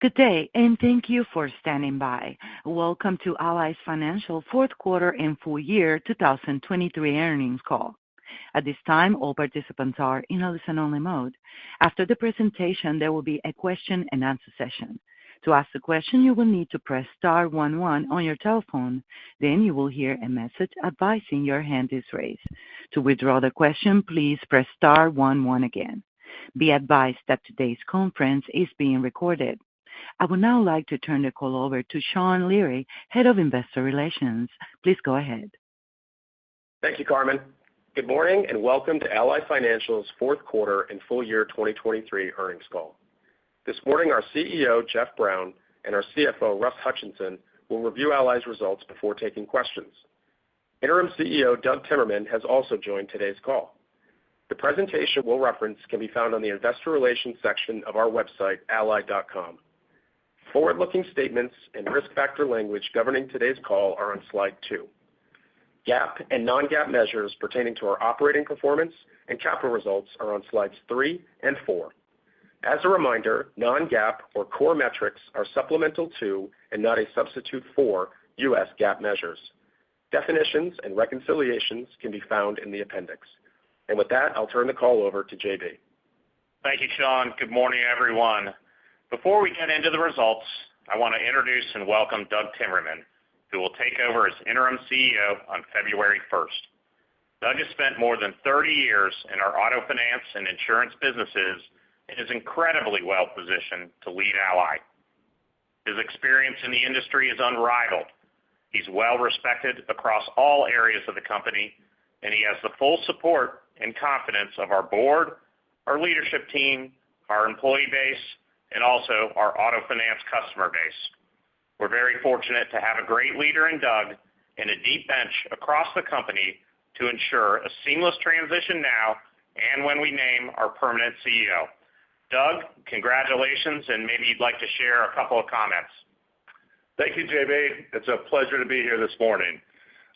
Good day, and thank you for standing by. Welcome to Ally Financial's fourth quarter and full year 2023 earnings call. At this time, all participants are in a listen-only mode. After the presentation, there will be a question-and-answer session. To ask a question, you will need to press star one one on your telephone. Then you will hear a message advising your hand is raised. To withdraw the question, please press star one one again. Be advised that today's conference is being recorded. I would now like to turn the call over to Sean Leary, Head of Investor Relations. Please go ahead. Thank you, Carmen. Good morning, and welcome to Ally Financial's fourth quarter and full year 2023 earnings call. This morning, our CEO, Jeff Brown, and our CFO, Russ Hutchinson, will review Ally's results before taking questions. Interim CEO, Doug Timmerman, has also joined today's call. The presentation we'll reference can be found on the Investor Relations section of our website, ally.com. Forward-looking statements and risk factor language governing today's call are on slide 2. GAAP and non-GAAP measures pertaining to our operating performance and capital results are on slides 3 and 4. As a reminder, non-GAAP or core metrics are supplemental to, and not a substitute for, U.S. GAAP measures. Definitions and reconciliations can be found in the appendix. And with that, I'll turn the call over to J.B.. Thank you, Sean. Good morning, everyone. Before we get into the results, I want to introduce and welcome Doug Timmerman, who will take over as interim CEO on February 1. Doug has spent more than 30 years in our auto finance and insurance businesses and is incredibly well-positioned to LEAD Ally. His experience in the industry is unrivaled. He's well-respected across all areas of the company, and he has the full support and confidence of our board, our leadership team, our employee base, and also our auto finance customer base. We're very fortunate to have a great leader in Doug and a deep bench across the company to ensure a seamless transition now and when we name our permanent CEO. Doug, congratulations, and maybe you'd like to share a couple of comments. Thank you, J.B.. It's a pleasure to be here this morning.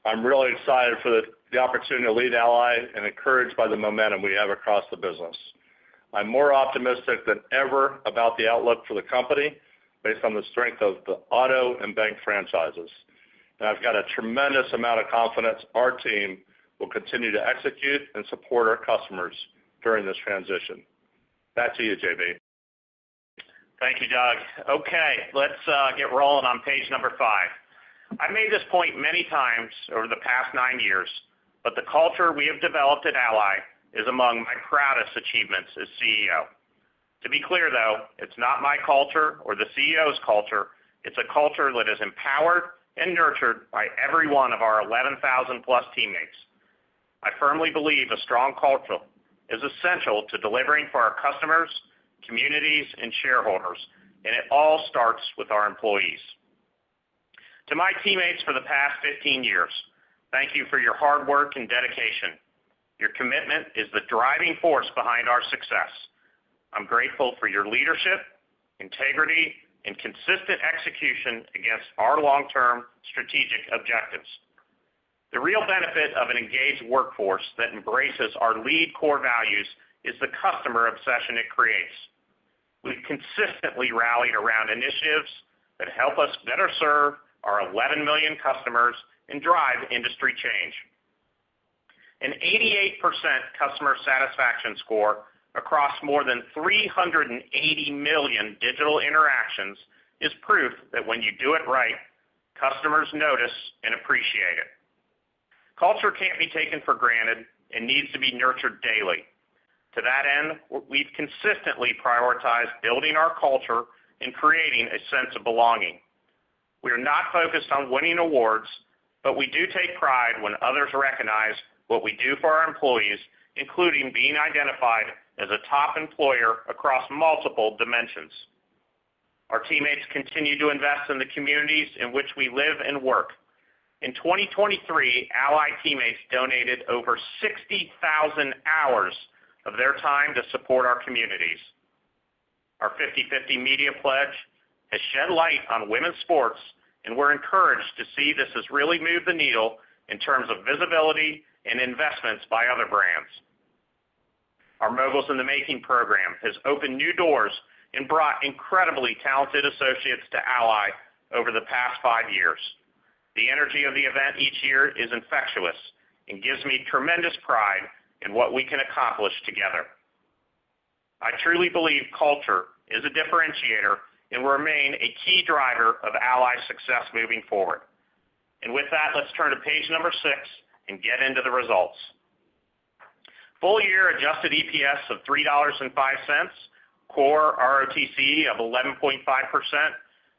I'm really excited for the opportunity to lead Ally and encouraged by the momentum we have across the business. I'm more optimistic than ever about the outlook for the company based on the strength of the auto and bank franchises. I've got a tremendous amount of confidence our team will continue to execute and support our customers during this transition. Back to you, J.B.. Thank you, Doug. Okay, let's get rolling on page number 5. I made this point many times over the past 9 years, but the culture we have developed at Ally is among my proudest achievements as CEO. To be clear, though, it's not my culture or the CEO's culture. It's a culture that is empowered and nurtured by every one of our 11,000 plus teammates. I firmly believe a strong culture is essential to delivering for our customers, communities, and shareholders, and it all starts with our employees. To my teammates for the past 15 years, thank you for your hard work and dedication. Your commitment is the driving force behind our success. I'm grateful for your leadership, integrity, and consistent execution against our long-term strategic objectives. The real benefit of an engaged workforce that embraces our lead core values is the customer obsession it creates. We've consistently rallied around initiatives that help us better serve our 11 million customers and drive industry change. An 88% customer satisfaction score across more than 380 million digital interactions is proof that when you do it right, customers notice and appreciate it. Culture can't be taken for granted and needs to be nurtured daily. To that end, we've consistently prioritized building our culture and creating a sense of belonging. We are not focused on winning awards, but we do take pride when others recognize what we do for our employees, including being identified as a top employer across multiple dimensions. Our teammates continue to invest in the communities in which we live and work. In 2023, Ally teammates donated over 60,000 hours of their time to support our communities. Our 50/50 media pledge has shed light on women's sports, and we're encouraged to see this has really moved the needle in terms of visibility and investments by other brands. Our Moguls in the Making program has opened new doors and brought incredibly talented associates to Ally over the past 5 years. The energy of the event each year is infectious and gives me tremendous pride in what we can accomplish together. I truly believe culture is a differentiator and will remain a key driver of Ally's success moving forward. And with that, let's turn to page number 6 and get into the results. Full-year adjusted EPS of $3.05, core ROTCE of 11.5%,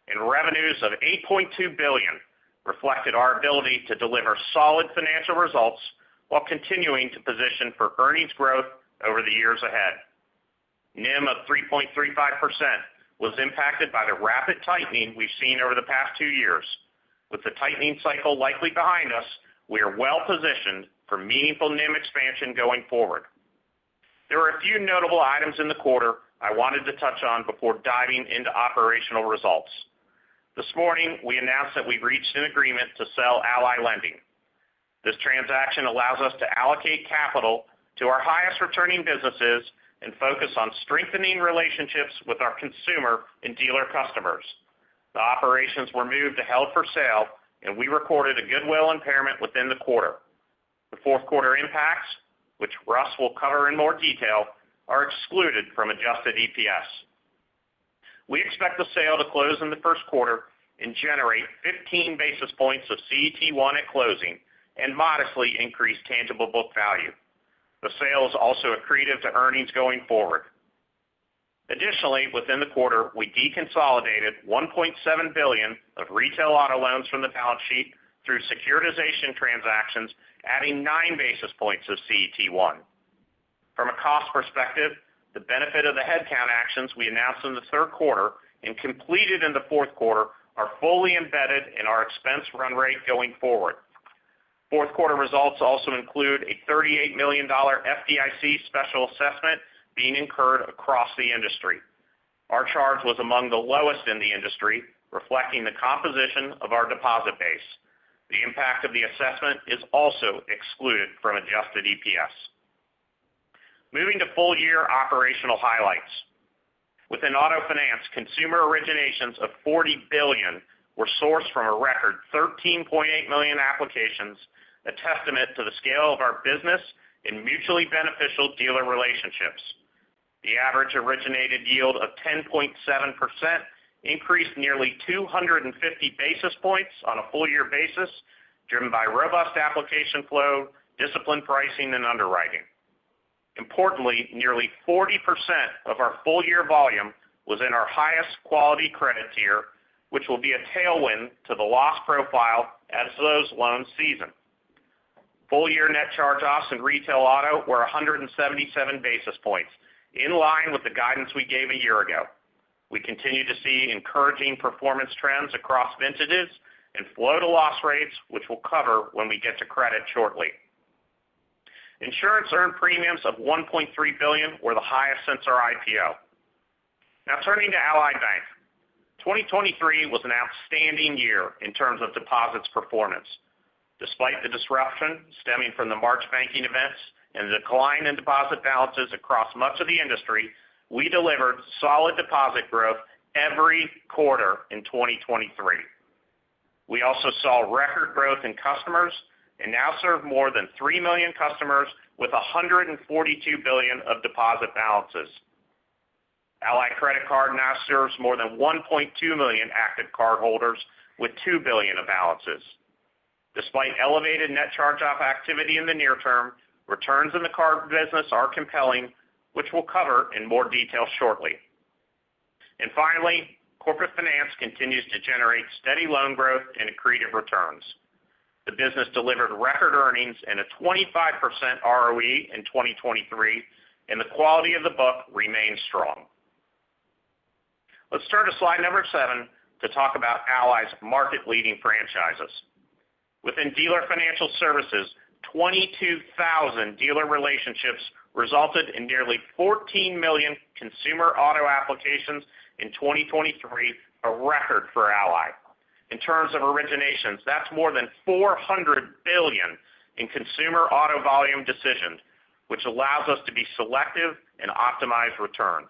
and revenues of $8.2 billion reflected our ability to deliver solid financial results while continuing to position for earnings growth over the years ahead. NIM of 3.35% was impacted by the rapid tightening we've seen over the past two years. With the tightening cycle likely behind us, we are well positioned for meaningful NIM expansion going forward. There are a few notable items in the quarter I wanted to touch on before diving into operational results.... This morning, we announced that we've reached an agreement to sell Ally Lending. This transaction allows us to allocate capital to our highest returning businesses and focus on strengthening relationships with our consumer and dealer customers. The operations were moved to held for sale, and we recorded a goodwill impairment within the quarter. The fourth quarter impacts, which Russ will cover in more detail, are excluded from adjusted EPS. We expect the sale to close in the first quarter and generate 15 basis points of CET1 at closing and modestly increase tangible book value. The sale is also accretive to earnings going forward. Additionally, within the quarter, we deconsolidated $1.7 billion of retail auto loans from the balance sheet through securitization transactions, adding 9 basis points of CET1. From a cost perspective, the benefit of the headcount actions we announced in the third quarter and completed in the fourth quarter are fully embedded in our expense run rate going forward. Fourth quarter results also include a $38 million FDIC special assessment being incurred across the industry. Our charge was among the lowest in the industry, reflecting the composition of our deposit base. The impact of the assessment is also excluded from adjusted EPS. Moving to full-year operational highlights. Within auto finance, consumer originations of $40 billion were sourced from a record 13.8 million applications, a testament to the scale of our business in mutually beneficial dealer relationships. The average originated yield of 10.7% increased nearly 250 basis points on a full-year basis, driven by robust application flow, disciplined pricing, and underwriting. Importantly, nearly 40% of our full-year volume was in our highest quality credit tier, which will be a tailwind to the loss profile as those loans season. Full-year net charge-offs in retail auto were 177 basis points, in line with the guidance we gave a year ago. We continue to see encouraging performance trends across vintages and flow-to-loss rates, which we'll cover when we get to credit shortly. Insurance earned premiums of $1.3 billion were the highest since our IPO. Now turning to Ally Bank. 2023 was an outstanding year in terms of deposits performance. Despite the disruption stemming from the March banking events and the decline in deposit balances across much of the industry, we delivered solid deposit growth every quarter in 2023. We also saw record growth in customers and now serve more than 3 million customers with $142 billion of deposit balances. Ally Credit Card now serves more than 1.2 million active cardholders with $2 billion of balances. Despite elevated net charge-off activity in the near term, returns in the card business are compelling, which we'll cover in more detail shortly. Finally, corporate finance continues to generate steady loan growth and accretive returns. The business delivered record earnings and a 25% ROE in 2023, and the quality of the book remains strong. Let's turn to slide number 7 to talk about Ally's market-leading franchises. Within Dealer Financial Services, 22,000 dealer relationships resulted in nearly 14 million consumer auto applications in 2023, a record for Ally. In terms of originations, that's more than $400 billion in consumer auto volume decisions, which allows us to be selective and optimize returns.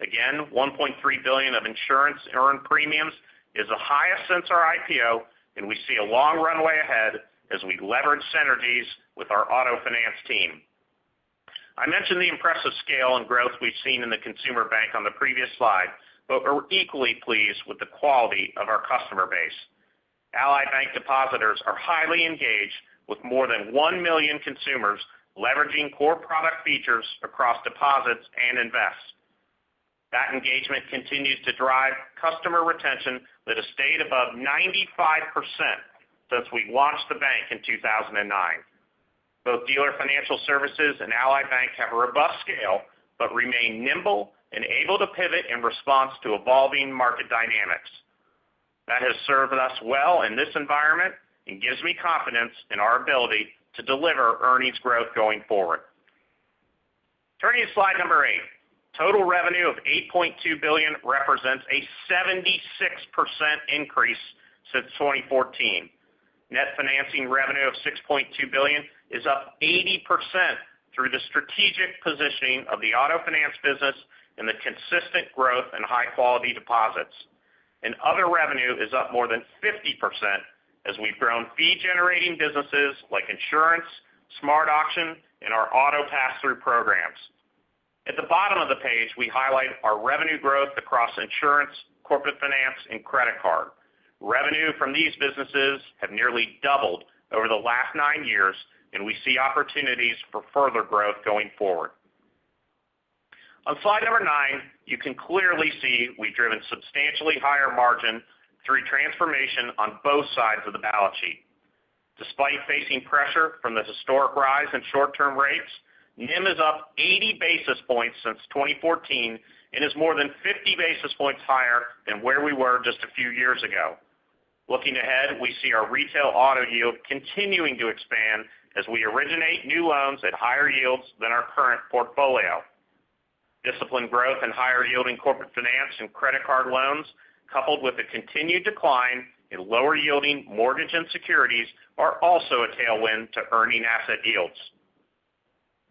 Again, $1.3 billion of insurance earned premiums is the highest since our IPO, and we see a long runway ahead as we leverage synergies with our auto finance team. I mentioned the impressive scale and growth we've seen in the consumer bank on the previous slide, but we're equally pleased with the quality of our customer base. Ally Bank depositors are highly engaged, with more than 1 million consumers leveraging core product features across deposits and Invests. That engagement continues to drive customer retention with a rate above 95% since we launched the bank in 2009. Both Dealer Financial Services and Ally Bank have a robust scale, but remain nimble and able to pivot in response to evolving market dynamics. That has served us well in this environment and gives me confidence in our ability to deliver earnings growth going forward. Turning to slide number 8. Total revenue of $8.2 billion represents a 76% increase since 2014. Net financing revenue of $6.2 billion is up 80% through the strategic positioning of the auto finance business and the consistent growth in high-quality deposits. And other revenue is up more than 50% as we've grown fee-generating businesses like insurance, SmartAuction, and our auto pass-through programs. At the bottom of the page, we highlight our revenue growth across insurance, corporate finance, and credit card. Revenue from these businesses have nearly doubled over the last 9 years, and we see opportunities for further growth going forward. On slide number 9, you can clearly see we've driven substantially higher margin through transformation on both sides of the balance sheet. Despite facing pressure from the historic rise in short-term rates, NIM is up 80 basis points since 2014 and is more than 50 basis points higher than where we were just a few years ago. Looking ahead, we see our retail auto yield continuing to expand as we originate new loans at higher yields than our current portfolio.... Disciplined growth and higher-yielding corporate finance and credit card loans, coupled with a continued decline in lower-yielding mortgage and securities, are also a tailwind to earning asset yields.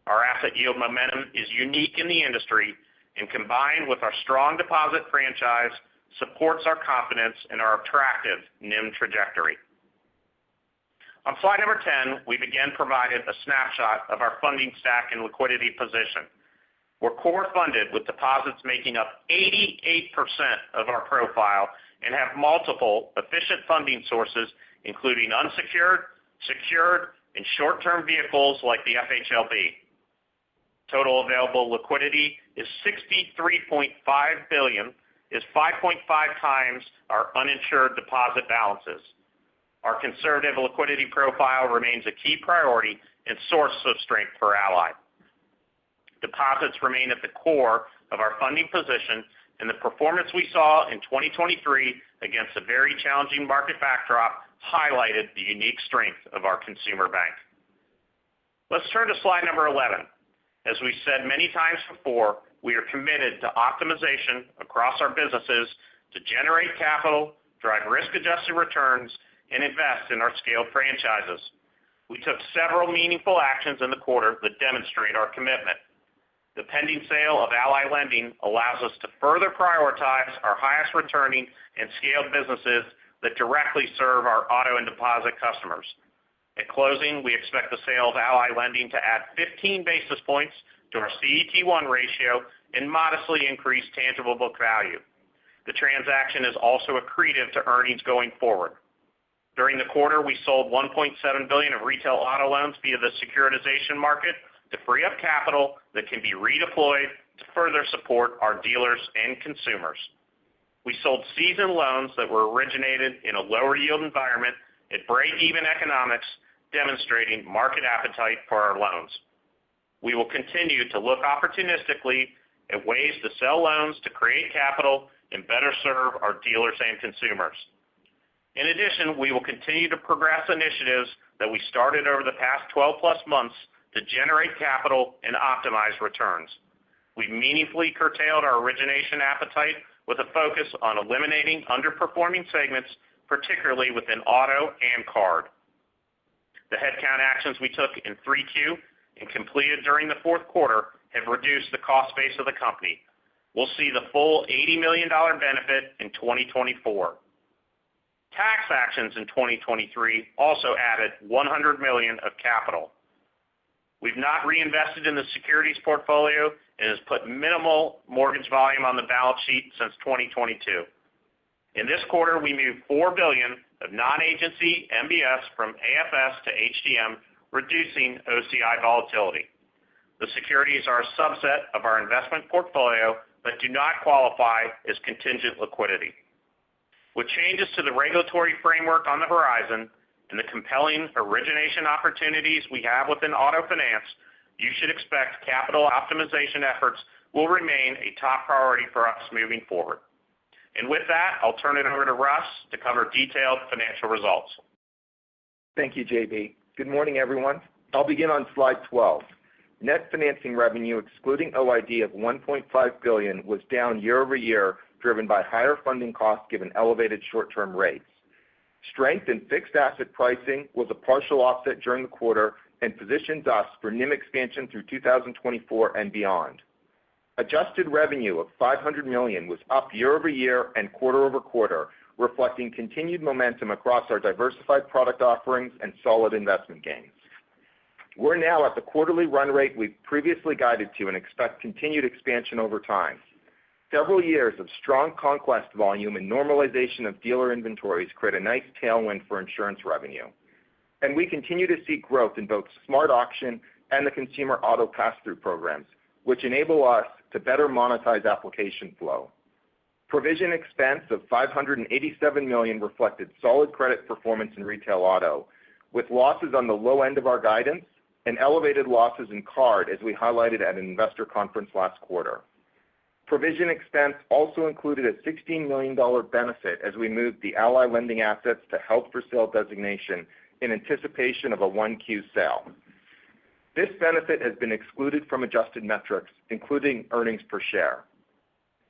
Our asset yield momentum is unique in the industry, and combined with our strong deposit franchise, supports our confidence in our attractive NIM trajectory. On slide 10, we've again provided a snapshot of our funding stack and liquidity position. We're core funded, with deposits making up 88% of our profile and have multiple efficient funding sources, including unsecured, secured, and short-term vehicles like the FHLB. Total available liquidity is $63.5 billion, is 5.5 times our uninsured deposit balances. Our conservative liquidity profile remains a key priority and source of strength for Ally. Deposits remain at the core of our funding position, and the performance we saw in 2023 against a very challenging market backdrop highlighted the unique strength of our consumer bank. Let's turn to slide 11. As we've said many times before, we are committed to optimization across our businesses to generate capital, drive risk-adjusted returns, and invest in our scaled franchises. We took several meaningful actions in the quarter that demonstrate our commitment. The pending sale of Ally Lending allows us to further prioritize our highest returning and scaled businesses that directly serve our auto and deposit customers. At closing, we expect the sale of Ally Lending to add 15 basis points to our CET1 ratio and modestly increase tangible book value. The transaction is also accretive to earnings going forward. During the quarter, we sold $1.7 billion of retail auto loans via the securitization market to free up capital that can be redeployed to further support our dealers and consumers. We sold seasoned loans that were originated in a lower-yield environment at breakeven economics, demonstrating market appetite for our loans. We will continue to look opportunistically at ways to sell loans to create capital and better serve our dealers and consumers. In addition, we will continue to progress initiatives that we started over the past 12+ months to generate capital and optimize returns. We've meaningfully curtailed our origination appetite with a focus on eliminating underperforming segments, particularly within auto and card. The headcount actions we took in 3Q and completed during the fourth quarter have reduced the cost base of the company. We'll see the full $80 million benefit in 2024. Tax actions in 2023 also added $100 million of capital. We've not reinvested in the securities portfolio and has put minimal mortgage volume on the balance sheet since 2022. In this quarter, we moved $4 billion of non-agency MBS from AFS to HTM, reducing OCI volatility. The securities are a subset of our investment portfolio, but do not qualify as contingent liquidity. With changes to the regulatory framework on the horizon and the compelling origination opportunities we have within auto finance, you should expect capital optimization efforts will remain a top priority for us moving forward. With that, I'll turn it over to Russ to cover detailed financial results. Thank you, J.B.. Good morning, everyone. I'll begin on slide 12. Net financing revenue, excluding OID of $1.5 billion, was down year-over-year, driven by higher funding costs given elevated short-term rates. Strength in fixed asset pricing was a partial offset during the quarter and positions us for NIM expansion through 2024 and beyond. Adjusted revenue of $500 million was up year-over-year and quarter-over-quarter, reflecting continued momentum across our diversified product offerings and solid investment gains. We're now at the quarterly run rate we've previously guided to and expect continued expansion over time. Several years of strong conquest volume and normalization of dealer inventories create a nice tailwind for insurance revenue. And we continue to see growth in both SmartAuction and the consumer auto pass-through programs, which enable us to better monetize application flow. Provision expense of $587 million reflected solid credit performance in retail auto, with losses on the low end of our guidance and elevated losses in card, as we highlighted at an investor conference last quarter. Provision expense also included a $16 million benefit as we moved the Ally Lending assets to held-for-sale designation in anticipation of a 1Q sale. This benefit has been excluded from adjusted metrics, including earnings per share.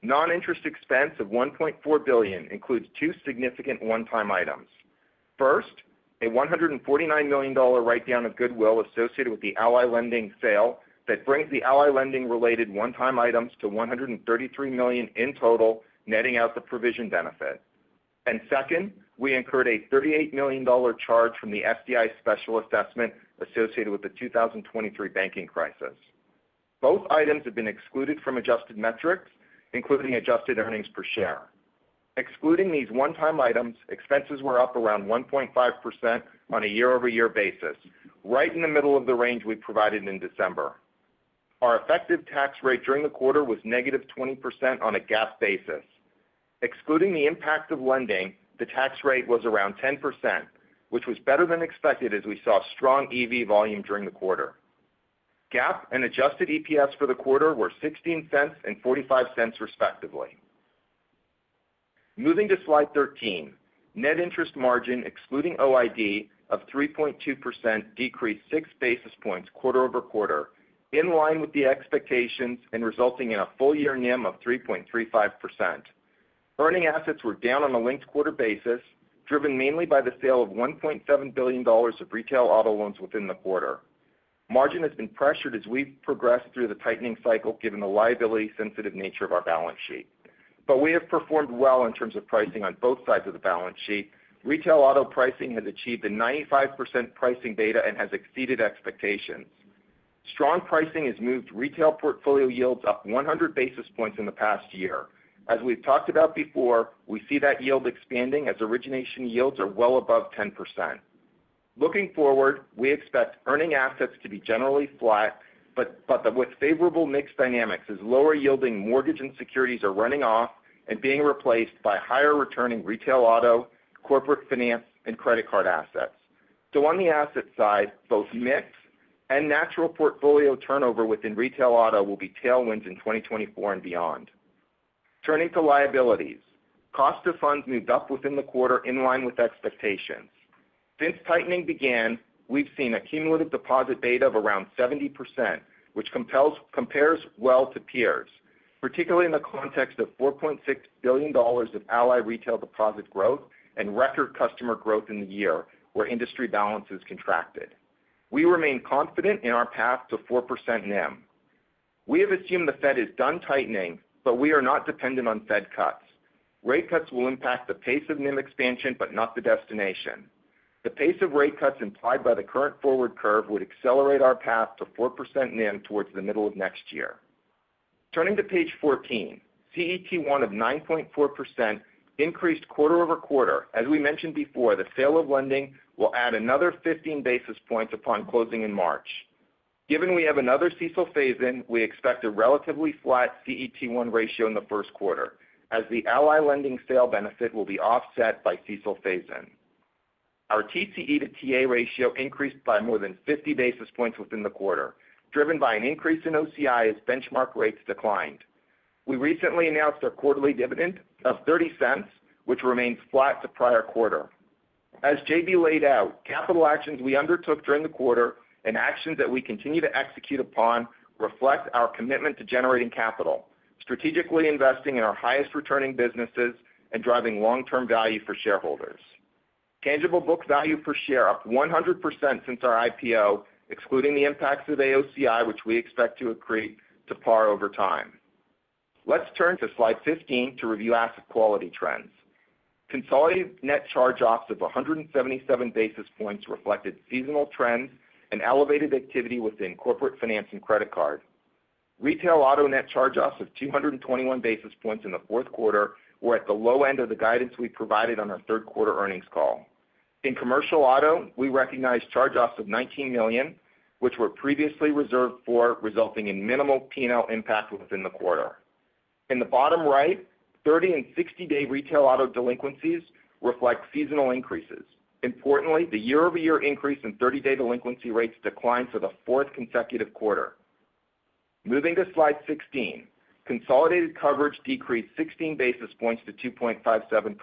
Non-interest expense of $1.4 billion includes two significant one-time items. First, a $149 million write-down of goodwill associated with the Ally Lending sale that brings the Ally Lending-related one-time items to $133 million in total, netting out the provision benefit. And second, we incurred a $38 million charge from the FDIC special assessment associated with the 2023 banking crisis. Both items have been excluded from adjusted metrics, including adjusted earnings per share. Excluding these one-time items, expenses were up around 1.5% on a year-over-year basis, right in the middle of the range we provided in December. Our effective tax rate during the quarter was -20% on a GAAP basis. Excluding the impact of lending, the tax rate was around 10%, which was better than expected as we saw strong EV volume during the quarter. GAAP and adjusted EPS for the quarter were $0.16 and $0.45, respectively.... Moving to Slide 13. Net interest margin, excluding OID, of 3.2% decreased 6 basis points quarter-over-quarter, in line with the expectations and resulting in a full year NIM of 3.35%. Earning assets were down on a linked quarter basis, driven mainly by the sale of $1.7 billion of retail auto loans within the quarter. Margin has been pressured as we've progressed through the tightening cycle, given the liability-sensitive nature of our balance sheet. But we have performed well in terms of pricing on both sides of the balance sheet. Retail auto pricing has achieved a 95% pricing beta and has exceeded expectations. Strong pricing has moved retail portfolio yields up 100 basis points in the past year. As we've talked about before, we see that yield expanding as origination yields are well above 10%. Looking forward, we expect earning assets to be generally flat, but with favorable mix dynamics, as lower-yielding mortgage and securities are running off and being replaced by higher-returning retail auto, corporate finance, and credit card assets. On the asset side, both mix and natural portfolio turnover within retail auto will be tailwinds in 2024 and beyond. Turning to liabilities. Cost of funds moved up within the quarter, in line with expectations. Since tightening began, we've seen a cumulative deposit beta of around 70%, which compares well to peers, particularly in the context of $4.6 billion of Ally Retail deposit growth and record customer growth in the year, where industry balances contracted. We remain confident in our path to 4% NIM. We have assumed the Fed is done tightening, but we are not dependent on Fed cuts. Rate cuts will impact the pace of NIM expansion, but not the destination. The pace of rate cuts implied by the current forward curve would accelerate our path to 4% NIM towards the middle of next year. Turning to page 14, CET1 of 9.4% increased quarter-over-quarter. As we mentioned before, the sale of lending will add another 15 basis points upon closing in March. Given we have another CECL phase-in, we expect a relatively flat CET1 ratio in the first quarter, as the Ally Lending sale benefit will be offset by CECL phase-in. Our TCE to TA ratio increased by more than 50 basis points within the quarter, driven by an increase in OCI as benchmark rates declined. We recently announced our quarterly dividend of $0.30, which remains flat to prior quarter. As J.B. laid out, capital actions we undertook during the quarter and actions that we continue to execute upon reflect our commitment to generating capital, strategically investing in our highest-returning businesses, and driving long-term value for shareholders. Tangible book value per share, up 100% since our IPO, excluding the impacts of AOCI, which we expect to accrete to par over time. Let's turn to Slide 15 to review asset quality trends. Consolidated net charge-offs of 177 basis points reflected seasonal trends and elevated activity within corporate finance and credit card. Retail auto net charge-offs of 221 basis points in the fourth quarter were at the low end of the guidance we provided on our third quarter earnings call. In commercial auto, we recognized charge-offs of $19 million, which were previously reserved for, resulting in minimal P&L impact within the quarter. In the bottom right, 30- and 60-day retail auto delinquencies reflect seasonal increases. Importantly, the year-over-year increase in 30-day delinquency rates declined for the fourth consecutive quarter. Moving to Slide 16, consolidated coverage decreased 16 basis points to 2.57%.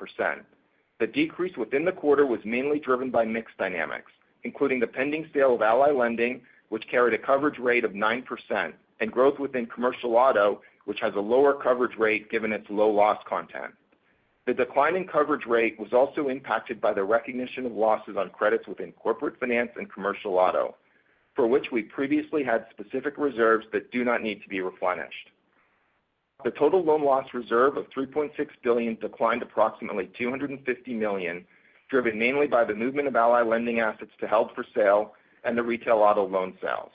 The decrease within the quarter was mainly driven by mix dynamics, including the pending sale of Ally Lending, which carried a coverage rate of 9%, and growth within commercial auto, which has a lower coverage rate, given its low loss content. The decline in coverage rate was also impacted by the recognition of losses on credits within corporate finance and commercial auto, for which we previously had specific reserves that do not need to be replenished. The total loan loss reserve of $3.6 billion declined approximately $250 million, driven mainly by the movement of Ally Lending assets to held for sale and the retail auto loan sales.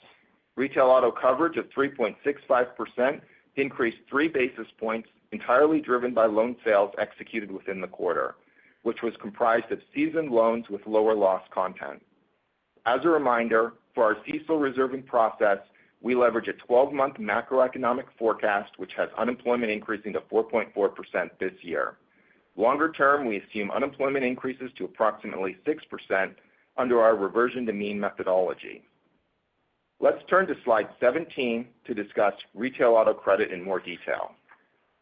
Retail auto coverage of 3.65% increased 3 basis points, entirely driven by loan sales executed within the quarter, which was comprised of seasoned loans with lower loss content. As a reminder, for our CECL reserving process, we leverage a 12-month macroeconomic forecast, which has unemployment increasing to 4.4% this year. Longer term, we assume unemployment increases to approximately 6% under our reversion to mean methodology. Let's turn to Slide 17 to discuss retail auto credit in more detail.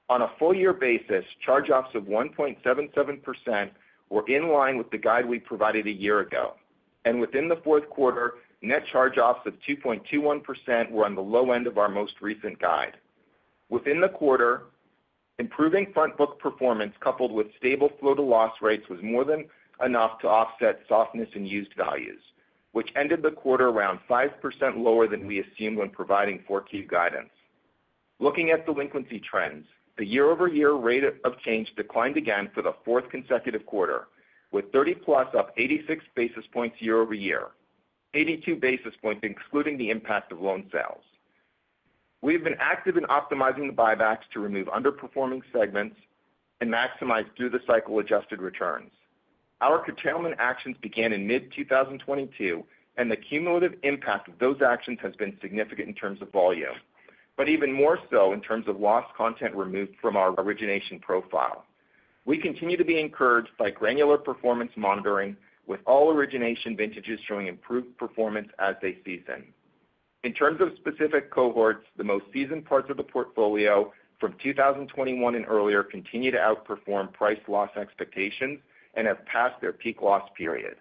On a full year basis, charge-offs of 1.77% were in line with the guide we provided a year ago, and within the fourth quarter, net charge-offs of 2.21% were on the low end of our most recent guide. Within the quarter, improving front book performance, coupled with stable flow to loss rates, was more than enough to offset softness in used values, which ended the quarter around 5% lower than we assumed when providing 4Q guidance. Looking at delinquency trends, the year-over-year rate of change declined again for the fourth consecutive quarter, with 30-plus up 86 basis points year-over-year, 82 basis points excluding the impact of loan sales. We have been active in optimizing the buybacks to remove underperforming segments and maximize through-the-cycle adjusted returns. Our curtailment actions began in mid-2022, and the cumulative impact of those actions has been significant in terms of volume, but even more so in terms of loss content removed from our origination profile. We continue to be encouraged by granular performance monitoring, with all origination vintages showing improved performance as they season. In terms of specific cohorts, the most seasoned parts of the portfolio from 2021 and earlier continue to outperform price loss expectations and have passed their peak loss period.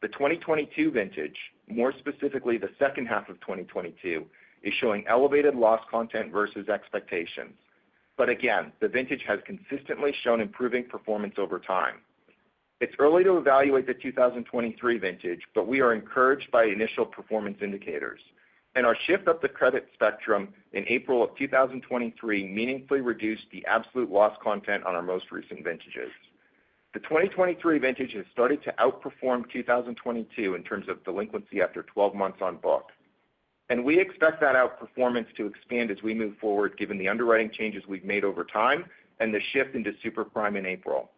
The 2022 vintage, more specifically, the second half of 2022, is showing elevated loss content versus expectations. But again, the vintage has consistently shown improving performance over time. It's early to evaluate the 2023 vintage, but we are encouraged by initial performance indicators, and our shift up the credit spectrum in April 2023 meaningfully reduced the absolute loss content on our most recent vintages. The 2023 vintage has started to outperform 2022 in terms of delinquency after 12 months on book, and we expect that outperformance to expand as we move forward, given the underwriting changes we've made over time and the shift into Super Prime in April.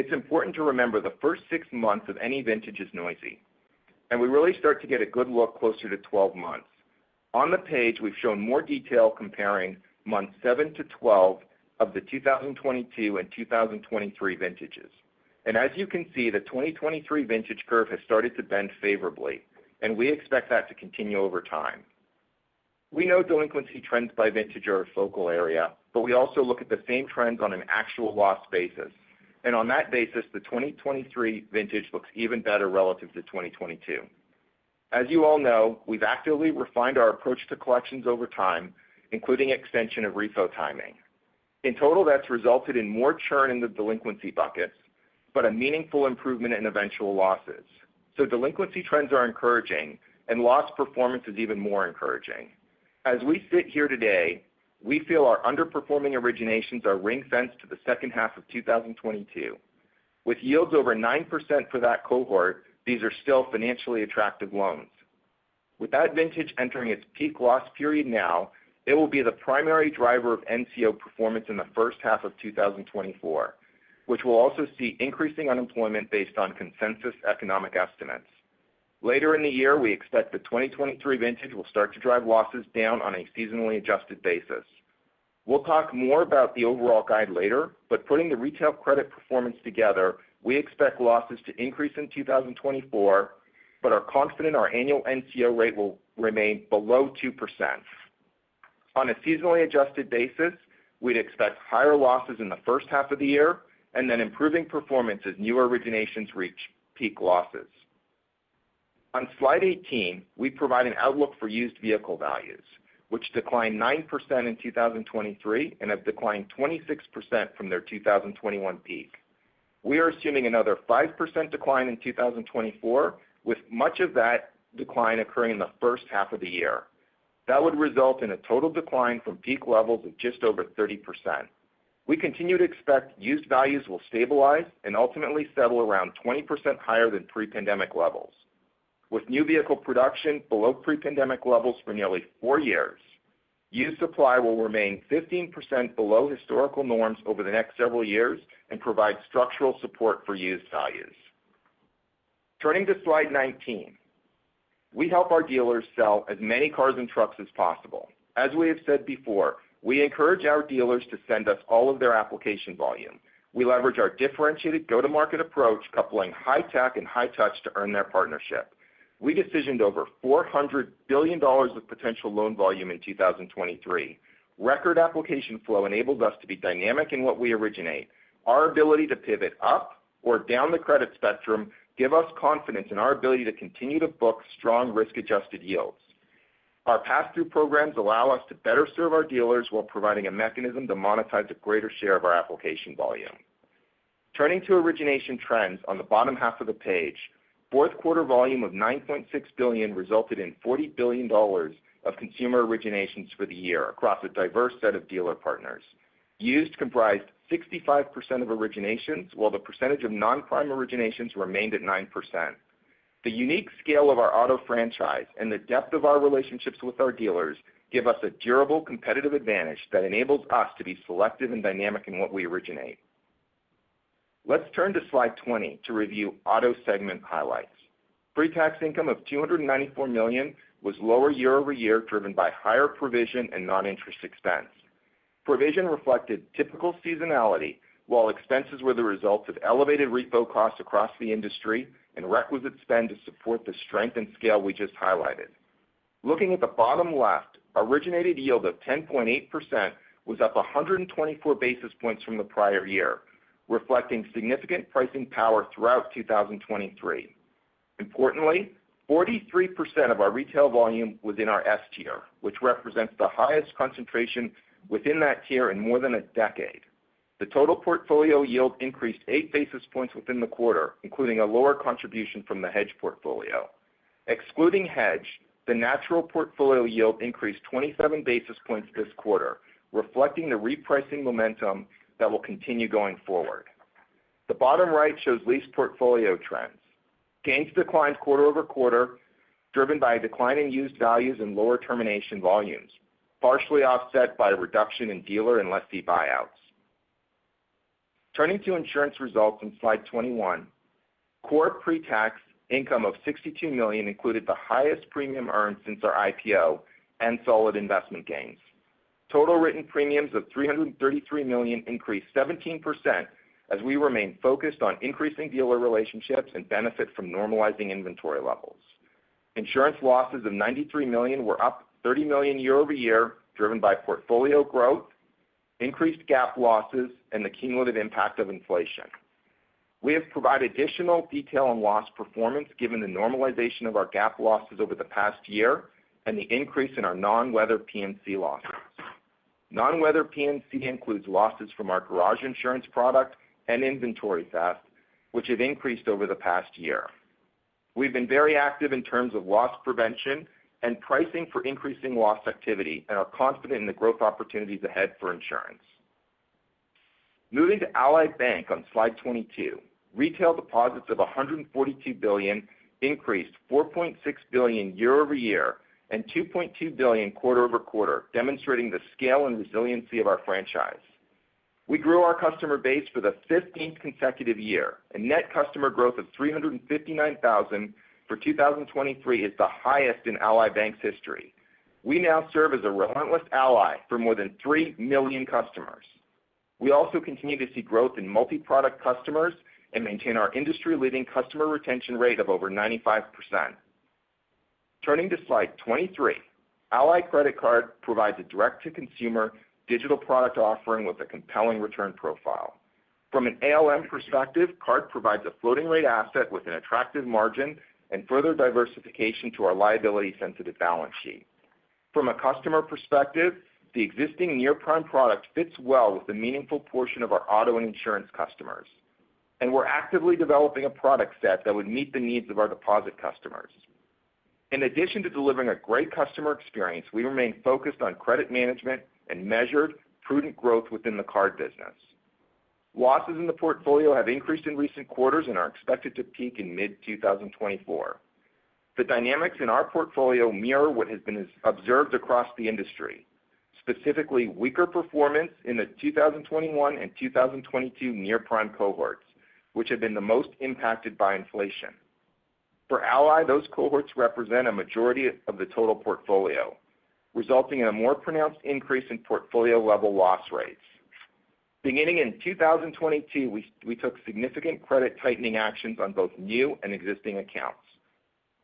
It's important to remember the first 6 months of any vintage is noisy, and we really start to get a good look closer to 12 months. On the page, we've shown more detail comparing months 7-12 of the 2022 and 2023 vintages. And as you can see, the 2023 vintage curve has started to bend favorably, and we expect that to continue over time. We know delinquency trends by vintage are a focal area, but we also look at the same trends on an actual loss basis. On that basis, the 2023 vintage looks even better relative to 2022. As you all know, we've actively refined our approach to collections over time, including extension of repo timing. In total, that's resulted in more churn in the delinquency buckets, but a meaningful improvement in eventual losses. So delinquency trends are encouraging, and loss performance is even more encouraging. As we sit here today, we feel our underperforming originations are ring-fenced to the second half of 2022. With yields over 9% for that cohort, these are still financially attractive loans. With that vintage entering its peak loss period now, it will be the primary driver of NCO performance in the first half of 2024, which will also see increasing unemployment based on consensus economic estimates. Later in the year, we expect the 2023 vintage will start to drive losses down on a seasonally adjusted basis. We'll talk more about the overall guide later, but putting the retail credit performance together, we expect losses to increase in 2024, but are confident our annual NCO rate will remain below 2%. On a seasonally adjusted basis, we'd expect higher losses in the first half of the year and then improving performance as new originations reach peak losses. On slide 18, we provide an outlook for used vehicle values, which declined 9% in 2023 and have declined 26% from their 2021 peak. We are assuming another 5% decline in 2024, with much of that decline occurring in the first half of the year. That would result in a total decline from peak levels of just over 30%. We continue to expect used values will stabilize and ultimately settle around 20% higher than pre-pandemic levels. With new vehicle production below pre-pandemic levels for nearly 4 years, used supply will remain 15% below historical norms over the next several years and provide structural support for used values. Turning to slide 19, we help our dealers sell as many cars and trucks as possible. As we have said before, we encourage our dealers to send us all of their application volume. We leverage our differentiated go-to-market approach, coupling high tech and high touch to earn their partnership. We decisioned over $400 billion of potential loan volume in 2023. Record application flow enables us to be dynamic in what we originate. Our ability to pivot up or down the credit spectrum give us confidence in our ability to continue to book strong risk-adjusted yields. Our pass-through programs allow us to better serve our dealers while providing a mechanism to monetize a greater share of our application volume. Turning to origination trends on the bottom half of the page, fourth quarter volume of $9.6 billion resulted in $40 billion of consumer originations for the year across a diverse set of dealer partners. Used comprised 65% of originations, while the percentage of non-prime originations remained at 9%. The unique scale of our auto franchise and the depth of our relationships with our dealers give us a durable competitive advantage that enables us to be selective and dynamic in what we originate. Let's turn to slide 20 to review auto segment highlights. Pre-tax income of $294 million was lower year-over-year, driven by higher provision and non-interest expense. Provision reflected typical seasonality, while expenses were the result of elevated refi costs across the industry and requisite spend to support the strength and scale we just highlighted. Looking at the bottom left, originated yield of 10.8% was up 124 basis points from the prior year, reflecting significant pricing power throughout 2023. Importantly, 43% of our retail volume was in our S tier, which represents the highest concentration within that tier in more than a decade. The total portfolio yield increased 8 basis points within the quarter, including a lower contribution from the hedge portfolio. Excluding hedge, the natural portfolio yield increased 27 basis points this quarter, reflecting the repricing momentum that will continue going forward. The bottom right shows lease portfolio trends. Gains declined quarter-over-quarter, driven by a decline in used values and lower termination volumes, partially offset by a reduction in dealer and lessee buyouts. Turning to insurance results on slide 21, core pre-tax income of $62 million included the highest premium earned since our IPO and solid investment gains.... Total written premiums of $333 million increased 17% as we remain focused on increasing dealer relationships and benefit from normalizing inventory levels. Insurance losses of $93 million were up $30 million year-over-year, driven by portfolio growth, increased GAAP losses, and the cumulative impact of inflation. We have provided additional detail on loss performance given the normalization of our GAAP losses over the past year and the increase in our non-weather P&C losses. Non-weather P&C includes losses from our garage insurance product and inventory theft, which have increased over the past year. We've been very active in terms of loss prevention and pricing for increasing loss activity and are confident in the growth opportunities ahead for insurance. Moving to Ally Bank on slide 22, retail deposits of $142 billion increased $4.6 billion year-over-year and $2.2 billion quarter-over-quarter, demonstrating the scale and resiliency of our franchise. We grew our customer base for the 15th consecutive year, and net customer growth of 359,000 for 2023 is the highest in Ally Bank's history. We now serve as a relentless ally for more than 3 million customers. We also continue to see growth in multi-product customers and maintain our industry-leading customer retention rate of over 95%. Turning to slide 23, Ally Credit Card provides a direct-to-consumer digital product offering with a compelling return profile. From an ALM perspective, Card provides a floating rate asset with an attractive margin and further diversification to our liability-sensitive balance sheet. From a customer perspective, the existing near-prime product fits well with the meaningful portion of our auto and insurance customers, and we're actively developing a product set that would meet the needs of our deposit customers. In addition to delivering a great customer experience, we remain focused on credit management and measured, prudent growth within the card business. Losses in the portfolio have increased in recent quarters and are expected to peak in mid-2024. The dynamics in our portfolio mirror what has been as observed across the industry, specifically weaker performance in the 2021 and 2022 near-prime cohorts, which have been the most impacted by inflation. For Ally, those cohorts represent a majority of the total portfolio, resulting in a more pronounced increase in portfolio-level loss rates. Beginning in 2022, we took significant credit tightening actions on both new and existing accounts.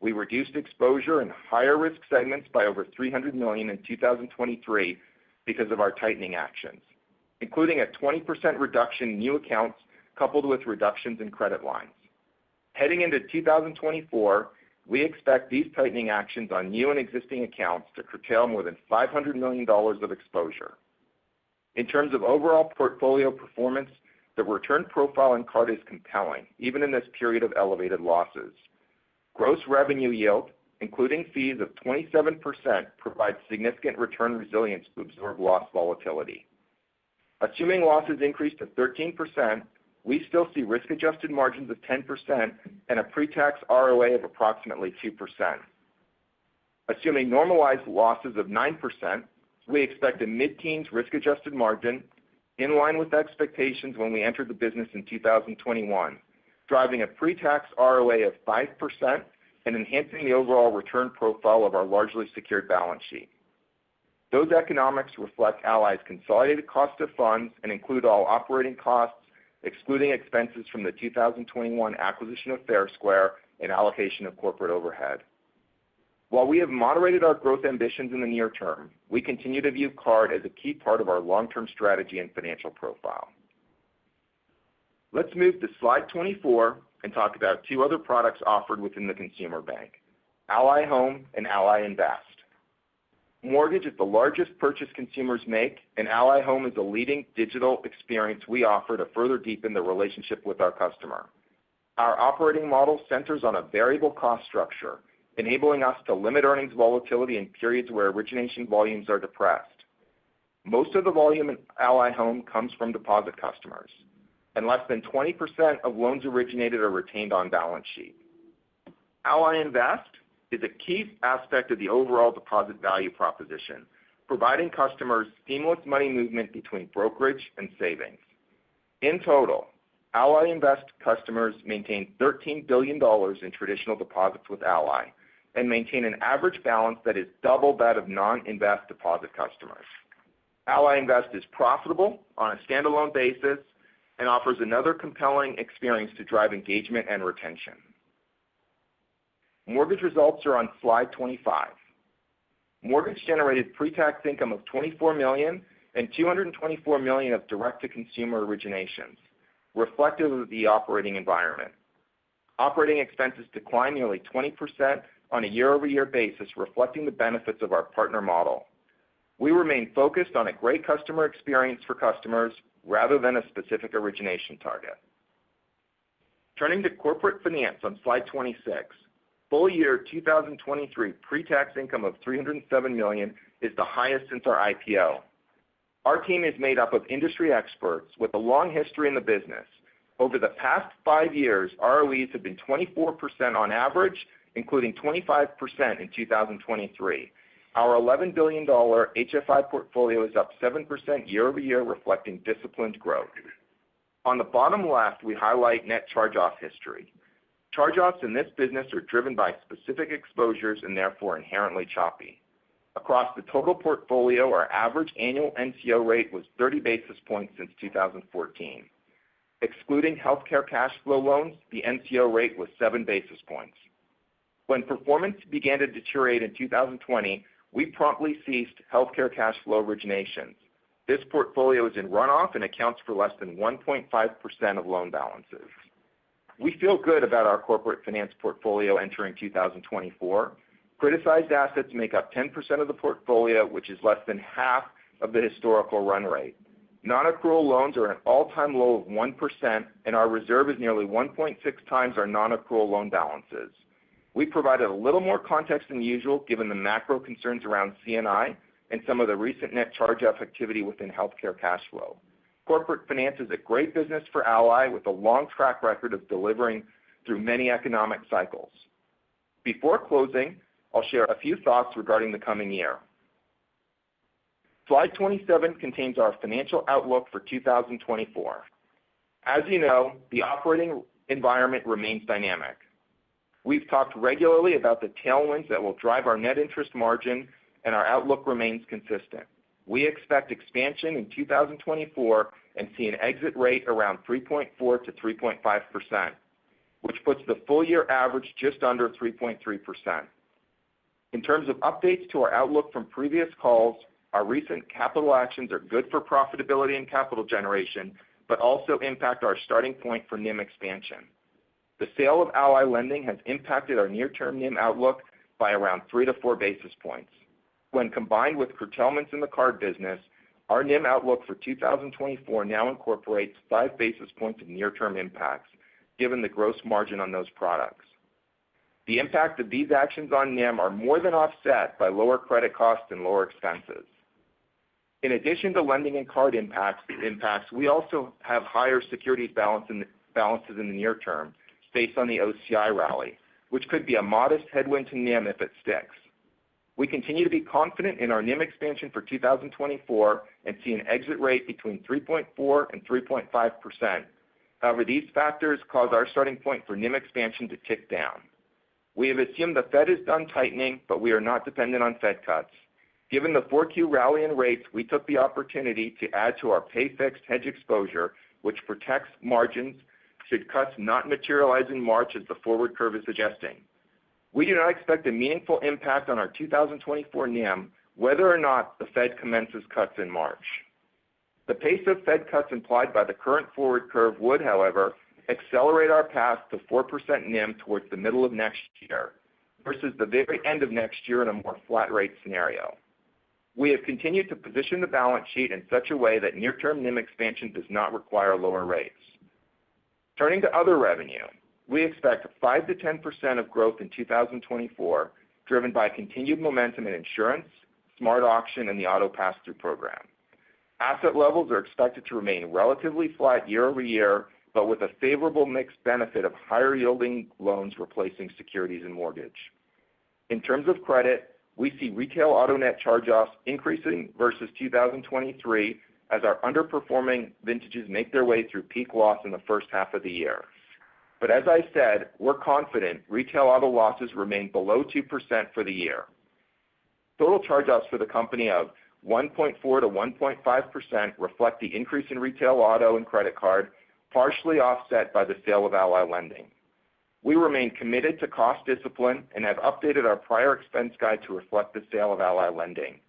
We reduced exposure in higher-risk segments by over $300 million in 2023 because of our tightening actions, including a 20% reduction in new accounts, coupled with reductions in credit lines. Heading into 2024, we expect these tightening actions on new and existing accounts to curtail more than $500 million of exposure. In terms of overall portfolio performance, the return profile in Card is compelling, even in this period of elevated losses. Gross revenue yield, including fees of 27%, provides significant return resilience to absorb loss volatility. Assuming losses increase to 13%, we still see risk-adjusted margins of 10% and a pre-tax ROA of approximately 2%. Assuming normalized losses of 9%, we expect a mid-teens risk-adjusted margin, in line with expectations when we entered the business in 2021, driving a pre-tax ROA of 5% and enhancing the overall return profile of our largely secured balance sheet. Those economics reflect Ally's consolidated cost of funds and include all operating costs, excluding expenses from the 2021 acquisition of Fair Square and allocation of corporate overhead. While we have moderated our growth ambitions in the near term, we continue to view Card as a key part of our long-term strategy and financial profile. Let's move to slide 24 and talk about two other products offered within the consumer bank, Ally Home and Ally Invest. Mortgage is the largest purchase consumers make, and Ally Home is a leading digital experience we offer to further deepen the relationship with our customer. Our operating model centers on a variable cost structure, enabling us to limit earnings volatility in periods where origination volumes are depressed. Most of the volume in Ally Home comes from deposit customers, and less than 20% of loans originated are retained on balance sheet. Ally Invest is a key aspect of the overall deposit value proposition, providing customers seamless money movement between brokerage and savings. In total, Ally Invest customers maintain $13 billion in traditional deposits with Ally and maintain an average balance that is double that of non-Invest deposit customers. Ally Invest is profitable on a standalone basis and offers another compelling experience to drive engagement and retention. Mortgage results are on slide 25. Mortgage generated pre-tax income of $24 million and $224 million of direct-to-consumer originations, reflective of the operating environment. Operating expenses declined nearly 20% on a year-over-year basis, reflecting the benefits of our partner model. We remain focused on a great customer experience for customers rather than a specific origination target. Turning to corporate finance on slide 26, full year 2023 pre-tax income of $307 million is the highest since our IPO. Our team is made up of industry experts with a long history in the business. Over the past five years, ROEs have been 24% on average, including 25% in 2023. Our $11 billion HFI portfolio is up 7% year-over-year, reflecting disciplined growth. On the bottom left, we highlight net charge-off history. Charge-offs in this business are driven by specific exposures and therefore inherently choppy. Across the total portfolio, our average annual NCO rate was 30 basis points since 2014. Excluding healthcare cash flow loans, the NCO rate was 7 basis points. When performance began to deteriorate in 2020, we promptly ceased healthcare cash flow originations. This portfolio is in runoff and accounts for less than 1.5% of loan balances. We feel good about our corporate finance portfolio entering 2024. Criticized assets make up 10% of the portfolio, which is less than half of the historical run rate. Non-accrual loans are an all-time low of 1%, and our reserve is nearly 1.6 times our non-accrual loan balances. We provided a little more context than usual, given the macro concerns around C&I and some of the recent net charge-off activity within healthcare cash flow. Corporate finance is a great business for Ally, with a long track record of delivering through many economic cycles. Before closing, I'll share a few thoughts regarding the coming year. Slide 27 contains our financial outlook for 2024. As you know, the operating environment remains dynamic. We've talked regularly about the tailwinds that will drive our net interest margin, and our outlook remains consistent. We expect expansion in 2024 and see an exit rate around 3.4%-3.5%, which puts the full year average just under 3.3%. In terms of updates to our outlook from previous calls, our recent capital actions are good for profitability and capital generation, but also impact our starting point for NIM expansion. The sale of Ally Lending has impacted our near-term NIM outlook by around 3-4 basis points. When combined with curtailments in the card business, our NIM outlook for 2024 now incorporates 5 basis points of near-term impacts, given the gross margin on those products. The impact of these actions on NIM are more than offset by lower credit costs and lower expenses. In addition to lending and card impacts, we also have higher securities balances in the near term based on the OCI rally, which could be a modest headwind to NIM if it sticks. We continue to be confident in our NIM expansion for 2024 and see an exit rate between 3.4%-3.5%. However, these factors cause our starting point for NIM expansion to tick down. We have assumed the Fed is done tightening, but we are not dependent on Fed cuts. Given the 4Q rally in rates, we took the opportunity to add to our pay-fixed hedge exposure, which protects margins should cuts not materialize in March as the forward curve is suggesting. We do not expect a meaningful impact on our 2024 NIM, whether or not the Fed commences cuts in March. The pace of Fed cuts implied by the current forward curve would, however, accelerate our path to 4% NIM towards the middle of next year versus the very end of next year in a more flat rate scenario. We have continued to position the balance sheet in such a way that near-term NIM expansion does not require lower rates. Turning to other revenue, we expect a 5%-10% growth in 2024, driven by continued momentum in insurance, SmartAuction, and the auto pass-through program. Asset levels are expected to remain relatively flat year-over-year, but with a favorable mixed benefit of higher-yielding loans replacing securities and mortgage. In terms of credit, we see retail auto net charge-offs increasing versus 2023 as our underperforming vintages make their way through peak loss in the first half of the year. As I said, we're confident retail auto losses remain below 2% for the year. Total charge-offs for the company of 1.4%-1.5% reflect the increase in retail, auto, and credit card, partially offset by the sale of Ally Lending. We remain committed to cost discipline and have updated our prior expense guide to reflect the sale of Ally Lending.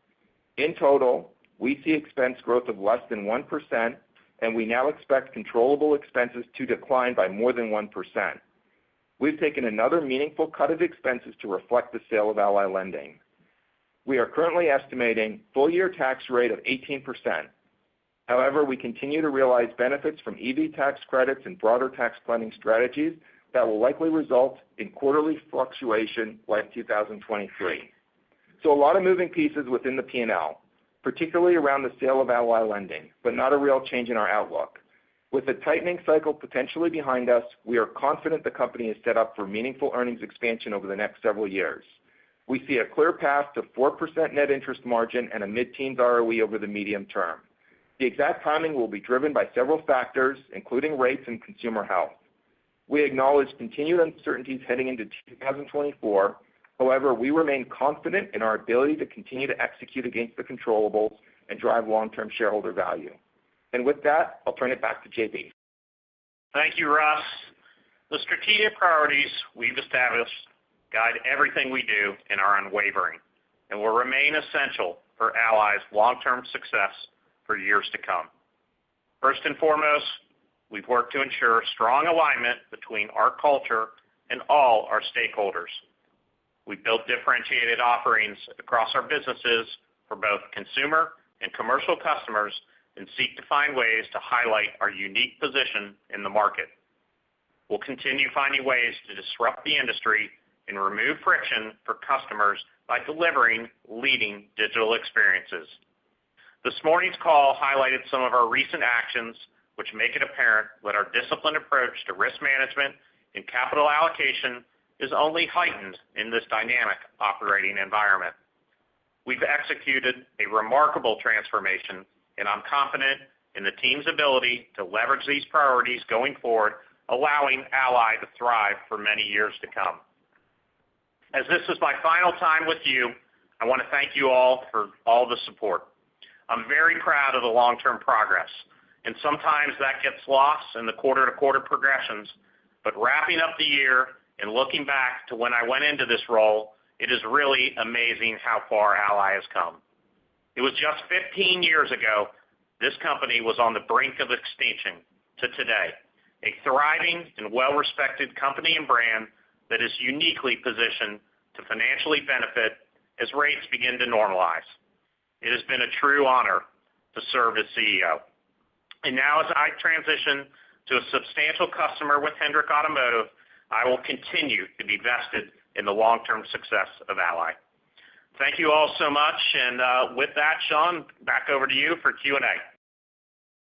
In total, we see expense growth of less than 1%, and we now expect controllable expenses to decline by more than 1%. We've taken another meaningful cut of expenses to reflect the sale of Ally Lending. We are currently estimating full-year tax rate of 18%. However, we continue to realize benefits from EV tax credits and broader tax planning strategies that will likely result in quarterly fluctuation like 2023. A lot of moving pieces within the P&L, particularly around the sale of Ally Lending, but not a real change in our outlook. With the tightening cycle potentially behind us, we are confident the company is set up for meaningful earnings expansion over the next several years. We see a clear path to 4% net interest margin and a mid-teens ROE over the medium term. The exact timing will be driven by several factors, including rates and consumer health. We acknowledge continued uncertainties heading into 2024. However, we remain confident in our ability to continue to execute against the controllables and drive long-term shareholder value. With that, I'll turn it back to J.B.. Thank you, Russ. The strategic priorities we've established guide everything we do and are unwavering and will remain essential for Ally's long-term success for years to come. First and foremost, we've worked to ensure strong alignment between our culture and all our stakeholders. We've built differentiated offerings across our businesses for both consumer and commercial customers and seek to find ways to highlight our unique position in the market. We'll continue finding ways to disrupt the industry and remove friction for customers by delivering leading digital experiences. This morning's call highlighted some of our recent actions, which make it apparent that our disciplined approach to risk management and capital allocation is only heightened in this dynamic operating environment.... We've executed a remarkable transformation, and I'm confident in the team's ability to leverage these priorities going forward, allowing Ally to thrive for many years to come. As this is my final time with you, I want to thank you all for all the support. I'm very proud of the long-term progress, and sometimes that gets lost in the quarter-to-quarter progressions. But wrapping up the year and looking back to when I went into this role, it is really amazing how far Ally has come. It was just 15 years ago, this company was on the brink of extinction to today, a thriving and well-respected company and brand that is uniquely positioned to financially benefit as rates begin to normalize. It has been a true honor to serve as CEO. And now, as I transition to a substantial customer with Hendrick Automotive, I will continue to be vested in the long-term success of Ally. Thank you all so much. And, with that, Sean, back over to you for Q&A.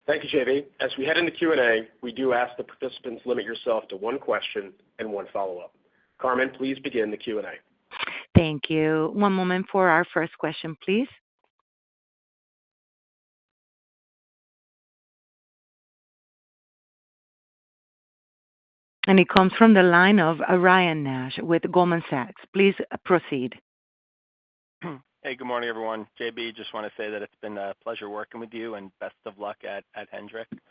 Thank you, J.B. As we head into Q&A, we do ask the participants to limit yourself to one question and one follow-up. Carmen, please begin the Q&A. Thank you. One moment for our first question, please. It comes from the line of Ryan Nash with Goldman Sachs. Please proceed. Hey, good morning, everyone. J.B., just want to say that it's been a pleasure working with you and best of luck at Hendrick. Thanks.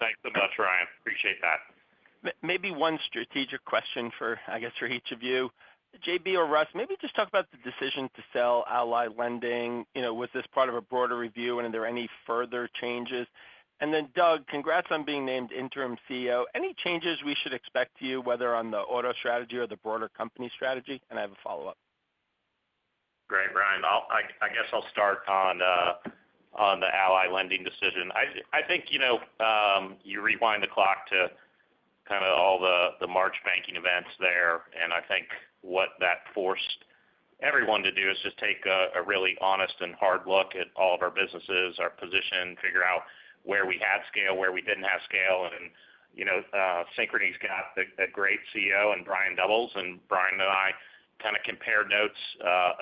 Thanks so much, Ryan. Appreciate that. Maybe one strategic question for, I guess, for each of you. J.B. or Russ, maybe just talk about the decision to sell Ally Lending. You know, was this part of a broader review, and are there any further changes? And then, Doug, congrats on being named interim CEO. Any changes we should expect to you, whether on the auto strategy or the broader company strategy? And I have a follow-up. Great, Ryan. I guess I'll start on the Ally Lending decision. I think, you know, you rewind the clock to kind of all the March banking events there, and I think what that forced everyone to do is just take a really honest and hard look at all of our businesses, our position, figure out where we had scale, where we didn't have scale. And, you know, Synchrony's got a great CEO in Brian Doubles, and Brian and I kind of compared notes,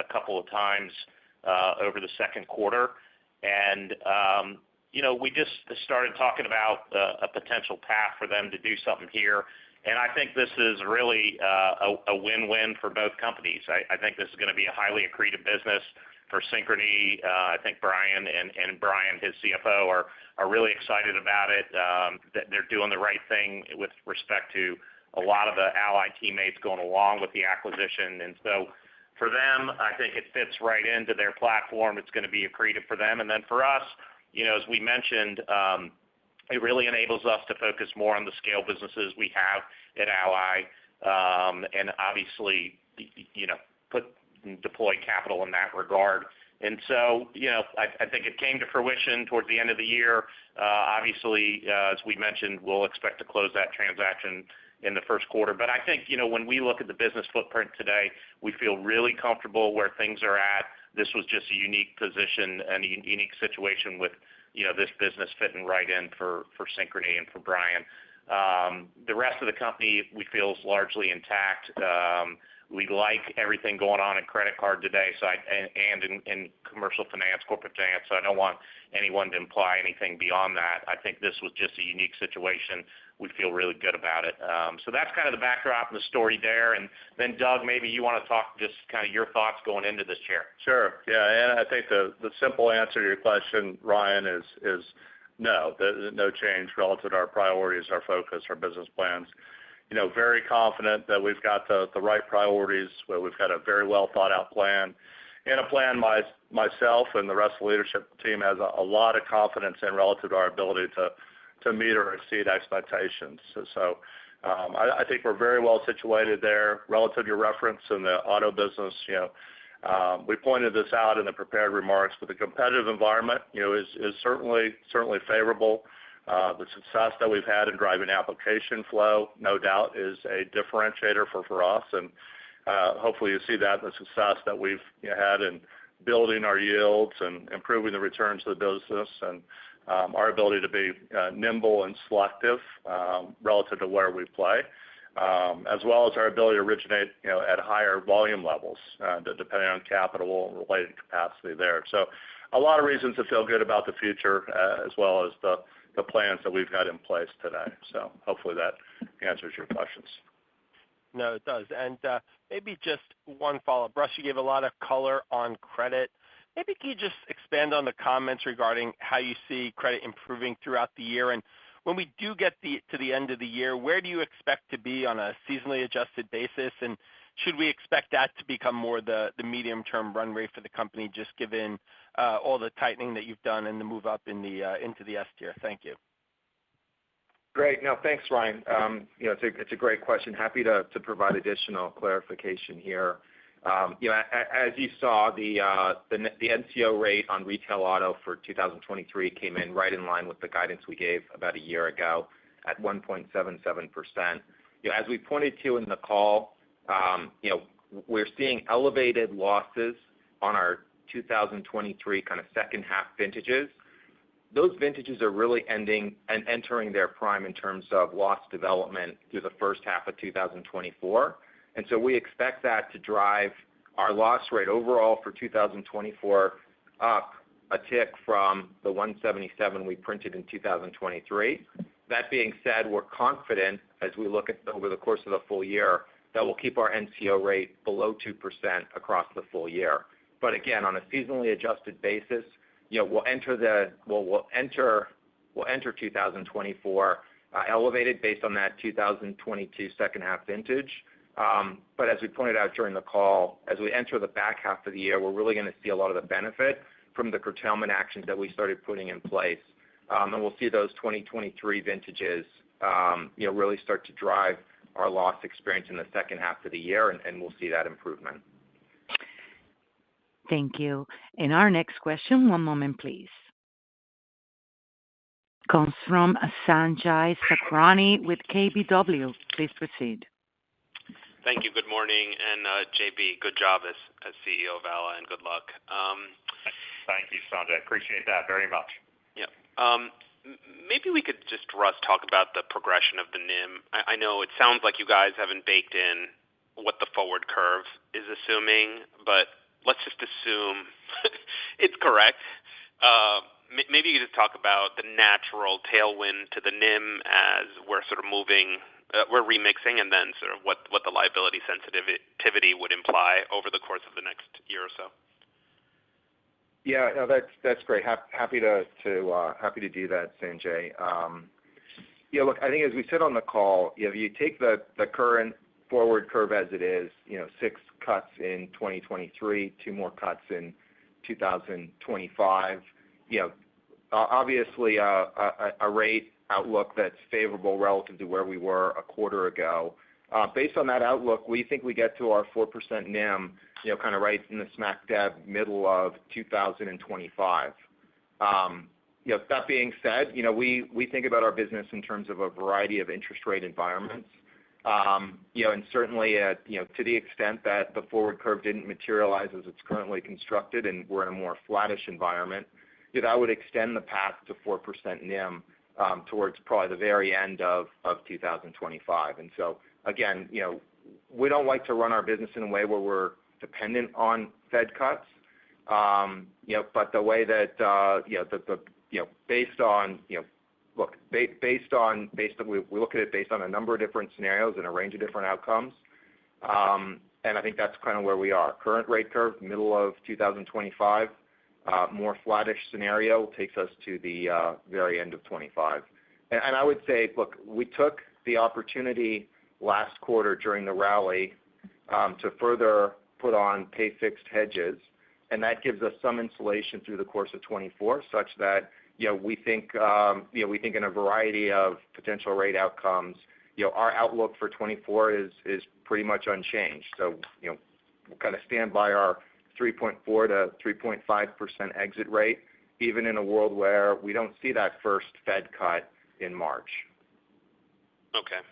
a couple of times, over the second quarter. And, you know, we just started talking about a potential path for them to do something here, and I think this is really a win-win for both companies. I think this is going to be a highly accretive business for Synchrony. I think Brian and his CFO are really excited about it, that they're doing the right thing with respect to a lot of the Ally teammates going along with the acquisition. So for them, I think it fits right into their platform. It's going to be accretive for them. And then for us, you know, as we mentioned, it really enables us to focus more on the scale businesses we have at Ally, and obviously, you know, deploy capital in that regard. So, you know, I think it came to fruition towards the end of the year. Obviously, as we mentioned, we'll expect to close that transaction in the first quarter. But I think, you know, when we look at the business footprint today, we feel really comfortable where things are at. This was just a unique position and a unique situation with, you know, this business fitting right in for, for Synchrony and for Brian. The rest of the company, we feel, is largely intact. We like everything going on in credit card today, so I and, and in Commercial Finance, Corporate Finance, so I don't want anyone to imply anything beyond that. I think this was just a unique situation. We feel really good about it. So that's kind of the backdrop and the story there. And then, Doug, maybe you want to talk just kind of your thoughts going into this chair. Sure. Yeah, and I think the simple answer to your question, Ryan, is no change relative to our priorities, our focus, our business plans. You know, very confident that we've got the right priorities, where we've got a very well thought out plan and a plan myself and the rest of the leadership team has a lot of confidence in relative to our ability to meet or exceed expectations. So, I think we're very well situated there relative to your reference in the auto business. You know, we pointed this out in the prepared remarks, but the competitive environment, you know, is certainly favorable. The success that we've had in driving application flow, no doubt, is a differentiator for us. And, hopefully, you see that in the success that we've, you know, had in building our yields and improving the returns to the business and our ability to be nimble and selective relative to where we play as well as our ability to originate, you know, at higher volume levels depending on capital and related capacity there. So a lot of reasons to feel good about the future as well as the plans that we've got in place today. So hopefully that answers your questions. No, it does. And, maybe just one follow-up. Russ, you gave a lot of color on credit. Maybe can you just expand on the comments regarding how you see credit improving throughout the year? And when we do get to the end of the year, where do you expect to be on a seasonally adjusted basis? And should we expect that to become more the medium-term runway for the company, just given all the tightening that you've done and the move up into the S tier? Thank you. Great. No, thanks, Ryan. You know, it's a great question. Happy to provide additional clarification here. You know, as you saw, the NCO rate on retail auto for 2023 came in right in line with the guidance we gave about a year ago at 1.77%. You know, as we pointed to in the call, you know, we're seeing elevated losses on our 2023 kind of second half vintages. Those vintages are really ending and entering their prime in terms of loss development through the first half of 2024. And so we expect that to drive our loss rate overall for 2024 up a tick from the 1.77 we printed in 2023. That being said, we're confident as we look at over the course of the full year, that we'll keep our NCO rate below 2% across the full year. But again, on a seasonally adjusted basis, you know, we'll enter 2024 elevated based on that 2022 second half vintage. But as we pointed out during the call, as we enter the back half of the year, we're really going to see a lot of the benefit from the curtailment actions that we started putting in place. And we'll see those 2023 vintages, you know, really start to drive our loss experience in the second half of the year, and we'll see that improvement. Thank you. Our next question, one moment, please. Comes from Sanjay Sakhrani with KBW. Please proceed. Thank you. Good morning, and J.B., good job as CEO of Ally, and good luck. Thank you, Sanjay. Appreciate that very much. Yep. Maybe we could just talk about the progression of the NIM. I know it sounds like you guys haven't baked in what the forward curve is assuming, but let's just assume it's correct. Maybe you just talk about the natural tailwind to the NIM as we're sort of moving, we're remixing, and then sort of what the liability sensitivity would imply over the course of the next year or so. Yeah, no, that's great. Happy to do that, Sanjay. Yeah, look, I think as we said on the call, if you take the current forward curve as it is, you know, 6 cuts in 2023, 2 more cuts in 2025. You know, obviously, a rate outlook that's favorable relative to where we were a quarter ago. Based on that outlook, we think we get to our 4% NIM, you know, kind of, right in the smack dab middle of 2025. You know, that being said, you know, we think about our business in terms of a variety of interest rate environments. You know, and certainly at, you know, to the extent that the forward curve didn't materialize as it's currently constructed, and we're in a more flattish environment, that I would extend the path to 4% NIM, towards probably the very end of 2025. And so again, you know, we don't like to run our business in a way where we're dependent on Fed cuts. You know, but the way that we look at it based on a number of different scenarios and a range of different outcomes. And I think that's kind of where we are. Current rate curve, middle of 2025, more flattish scenario takes us to the very end of 25. I would say, look, we took the opportunity last quarter during the rally to further put on pay fixed hedges, and that gives us some insulation through the course of 2024, such that, you know, we think in a variety of potential rate outcomes, you know, our outlook for 2024 is pretty much unchanged. So, you know, we kind of stand by our 3.4%-3.5% exit rate, even in a world where we don't see that first Fed cut in March. Okay,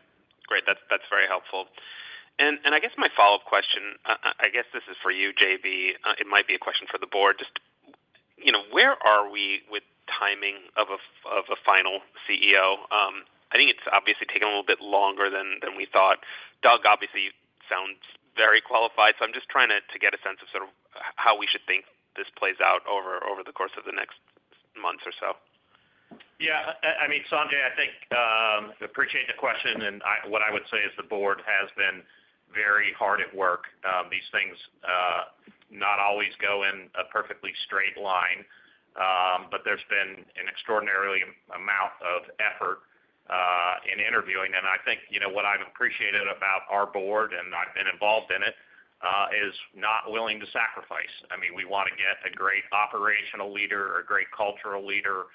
great. That's, that's very helpful. And, and I guess my follow-up question, I guess this is for you, J.B., it might be a question for the board. Just, you know, where are we with timing of a, of a final CEO? I think it's obviously taken a little bit longer than, than we thought. Doug, obviously sounds very qualified, so I'm just trying to, to get a sense of sort of how we should think this plays out over, over the course of the next months or so. Yeah, I mean, Sanjay, I think appreciate the question, and what I would say is the board has been very hard at work. These things not always go in a perfectly straight line, but there's been an extraordinary amount of effort in interviewing. And I think, you know, what I've appreciated about our board, and I've been involved in it, is not willing to sacrifice. I mean, we want to get a great operational leader, a great cultural leader,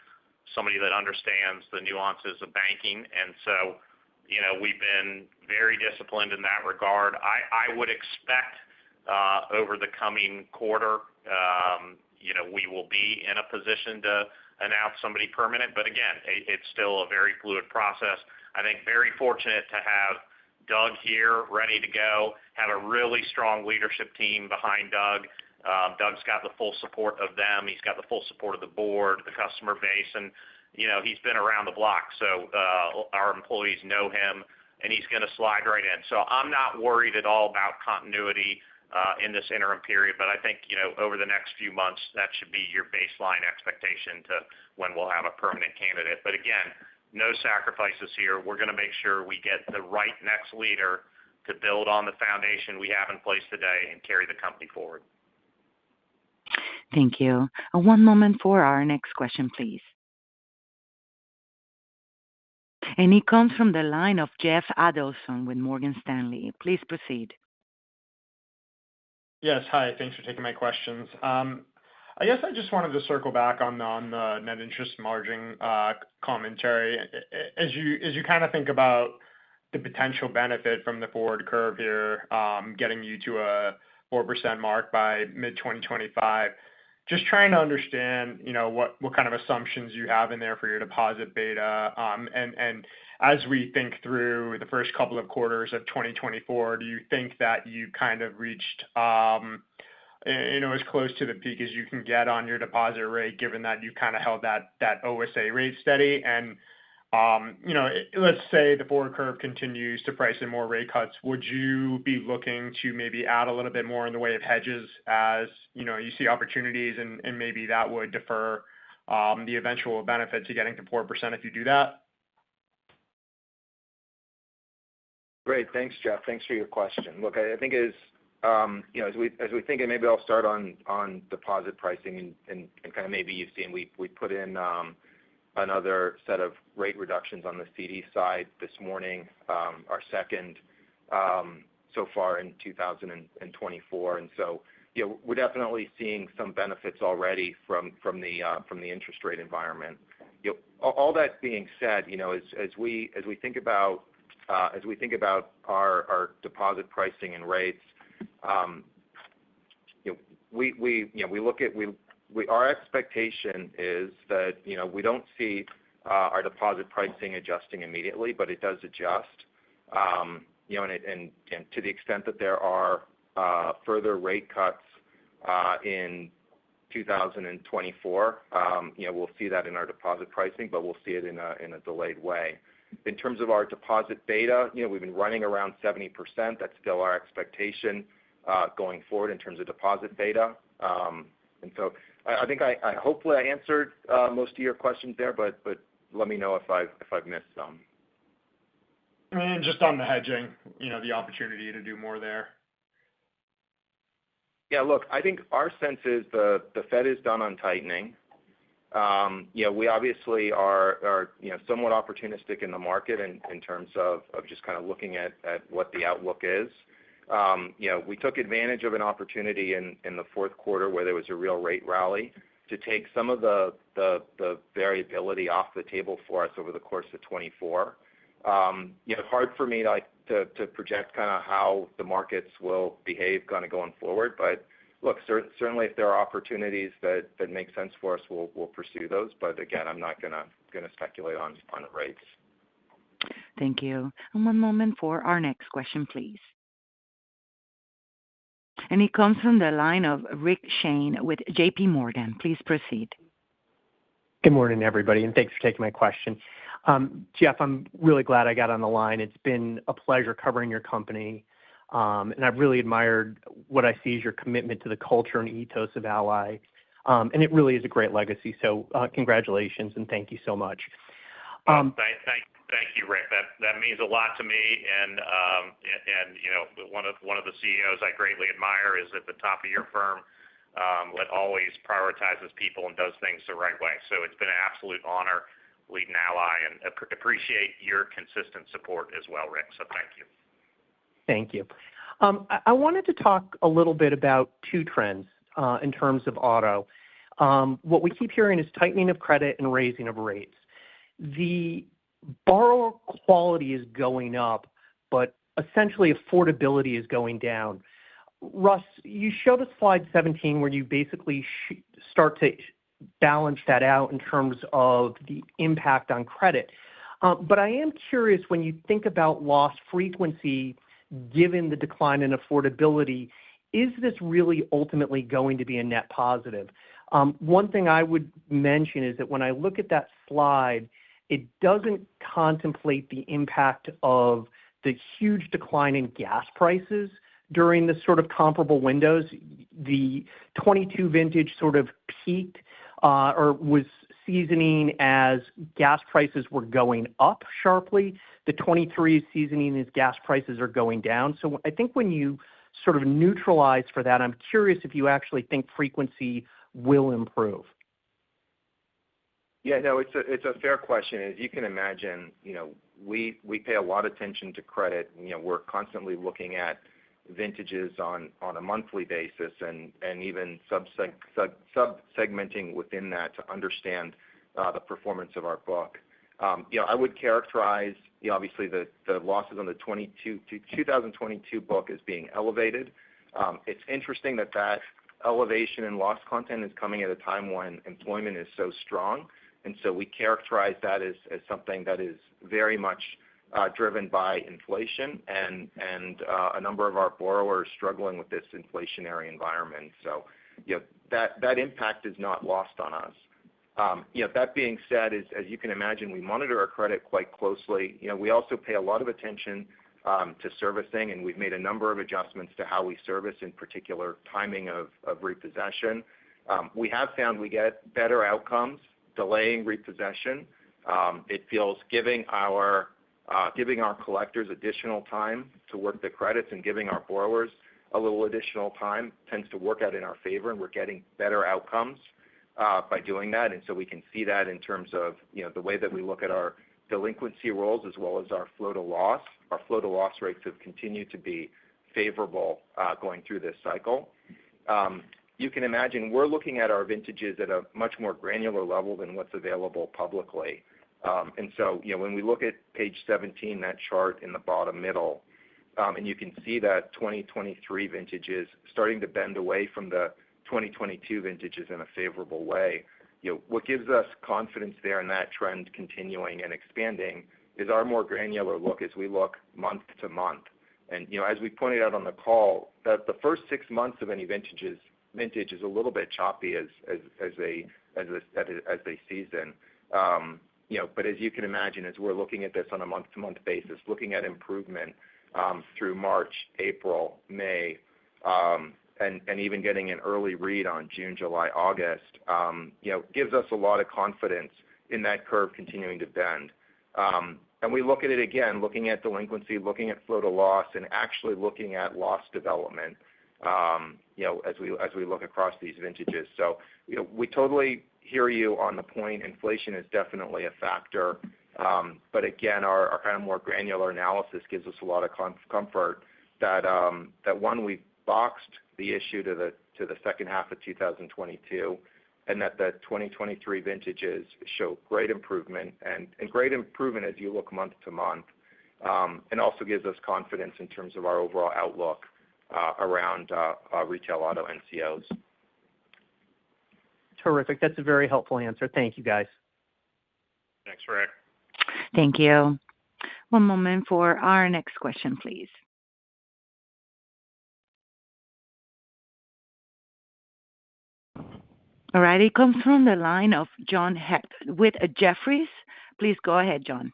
somebody that understands the nuances of banking. And so, you know, we've been very disciplined in that regard. I would expect over the coming quarter, you know, we will be in a position to announce somebody permanent. But again, it's still a very fluid process. I think very fortunate to have Doug here ready to go. Have a really strong leadership team behind Doug. Doug's got the full support of them, he's got the full support of the board, the customer base, and, you know, he's been around the block, so, our employees know him, and he's going to slide right in. So I'm not worried at all about continuity in this interim period, but I think, you know, over the next few months, that should be your baseline expectation to when we'll have a permanent candidate. But again, no sacrifices here. We're going to make sure we get the right next leader to build on the foundation we have in place today and carry the company forward. Thank you. One moment for our next question, please. It comes from the line of Jeff Adelson with Morgan Stanley. Please proceed. Yes, hi. Thanks for taking my questions. I guess I just wanted to circle back on the, on the net interest margin, commentary. As you, as you kind of think about the potential benefit from the forward curve here, getting you to a 4% mark by mid-2025. Just trying to understand, you know, what, what kind of assumptions you have in there for your deposit beta. And, and as we think through the first couple of quarters of 2024, do you think that you kind of reached, you know, as close to the peak as you can get on your deposit rate, given that you kind of held that, that OSA rate steady. You know, let's say the forward curve continues to price in more rate cuts, would you be looking to maybe add a little bit more in the way of hedges as, you know, you see opportunities and maybe that would defer the eventual benefit to getting to 4% if you do that? Great. Thanks, Jeff. Thanks for your question. Look, I think as, you know, as we think, and maybe I'll start on deposit pricing and kind of maybe you've seen, we put in another set of rate reductions on the CD side this morning, our second so far in 2024. And so, you know, we're definitely seeing some benefits already from the interest rate environment. You know, all that being said, you know, as we think about our deposit pricing and rates, you know, we look at - we - our expectation is that, you know, we don't see our deposit pricing adjusting immediately, but it does adjust. You know, to the extent that there are further rate cuts in 2024, you know, we'll see that in our deposit pricing, but we'll see it in a delayed way. In terms of our deposit beta, you know, we've been running around 70%. That's still our expectation going forward in terms of deposit beta. And so I think I hopefully answered most of your questions there, but let me know if I've missed some. Just on the hedging, you know, the opportunity to do more there. Yeah, look, I think our sense is the Fed is done on tightening. Yeah, we obviously are, you know, somewhat opportunistic in the market in terms of just kind of looking at what the outlook is. You know, we took advantage of an opportunity in the fourth quarter, where there was a real rate rally, to take some of the variability off the table for us over the course of 2024. You know, hard for me, like, to project kind of how the markets will behave kind of going forward. But look, certainly, if there are opportunities that make sense for us, we'll pursue those. But again, I'm not going to speculate on rates. Thank you. One moment for our next question, please. It comes from the line of Rick Shane with J.P. Morgan. Please proceed. Good morning, everybody, and thanks for taking my question. Jeff, I'm really glad I got on the line. It's been a pleasure covering your company, and I've really admired what I see as your commitment to the culture and ethos of Ally. And it really is a great legacy. So, congratulations, and thank you so much. Thank you, Rick. That means a lot to me. And, you know, one of the CEOs I greatly admire is at the top of your firm, that always prioritizes people and does things the right way. So it's been an absolute honor leading Ally, and appreciate your consistent support as well, Rick. So thank you. Thank you. I wanted to talk a little bit about two trends in terms of auto. What we keep hearing is tightening of credit and raising of rates. The borrower quality is going up, but essentially affordability is going down. Russ, you show the slide 17, where you basically start to balance that out in terms of the impact on credit. But I am curious, when you think about loss frequency, given the decline in affordability, is this really ultimately going to be a net positive? One thing I would mention is that when I look at that slide, it doesn't contemplate the impact of the huge decline in gas prices during the sort of comparable windows. The 2022 vintage sort of peaked or was seasoning as gas prices were going up sharply. The 2023 seasoning as gas prices are going down. I think when you sort of neutralize for that, I'm curious if you actually think frequency will improve. Yeah, no, it's a fair question. As you can imagine, you know, we pay a lot of attention to credit. You know, we're constantly looking at vintages on a monthly basis and even sub-segmenting within that to understand the performance of our book. You know, I would characterize, obviously, the losses on the 2022 book as being elevated. It's interesting that that elevation in loss content is coming at a time when employment is so strong, and so we characterize that as something that is very much driven by inflation and a number of our borrowers struggling with this inflationary environment. So, you know, that impact is not lost on us. You know, that being said, as you can imagine, we monitor our credit quite closely. You know, we also pay a lot of attention to servicing, and we've made a number of adjustments to how we service, in particular, timing of repossession. We have found we get better outcomes delaying repossession. It feels giving our collectors additional time to work the credits and giving our borrowers a little additional time tends to work out in our favor, and we're getting better outcomes by doing that. And so we can see that in terms of, you know, the way that we look at our delinquency rolls as well as our flow to loss. Our flow to loss rates have continued to be favorable going through this cycle. You can imagine, we're looking at our vintages at a much more granular level than what's available publicly. And so, you know, when we look at page 17, that chart in the bottom middle, and you can see that 2023 vintage is starting to bend away from the 2022 vintages in a favorable way. You know, what gives us confidence there in that trend continuing and expanding is our more granular look as we look month-to-month. And, you know, as we pointed out on the call, that the first 6 months of any vintage is a little bit choppy as a season. You know, but as you can imagine, as we're looking at this on a month-to-month basis, looking at improvement through March, April, May, and even getting an early read on June, July, August, you know, gives us a lot of confidence in that curve continuing to bend. We look at it again, looking at delinquency, looking at flow to loss, and actually looking at loss development, you know, as we look across these vintages. So, you know, we totally hear you on the point. Inflation is definitely a factor. Again, our kind of more granular analysis gives us a lot of comfort that one, we've boxed the issue to the second half of 2022, and that the 2023 vintages show great improvement, and great improvement as you look month-to-month, and also gives us confidence in terms of our overall outlook around our retail auto NCOs. Terrific. That's a very helpful answer. Thank you, guys. Thanks, Rick. Thank you. One moment for our next question, please. All right, it comes from the line of John Hecht with Jefferies. Please go ahead, John.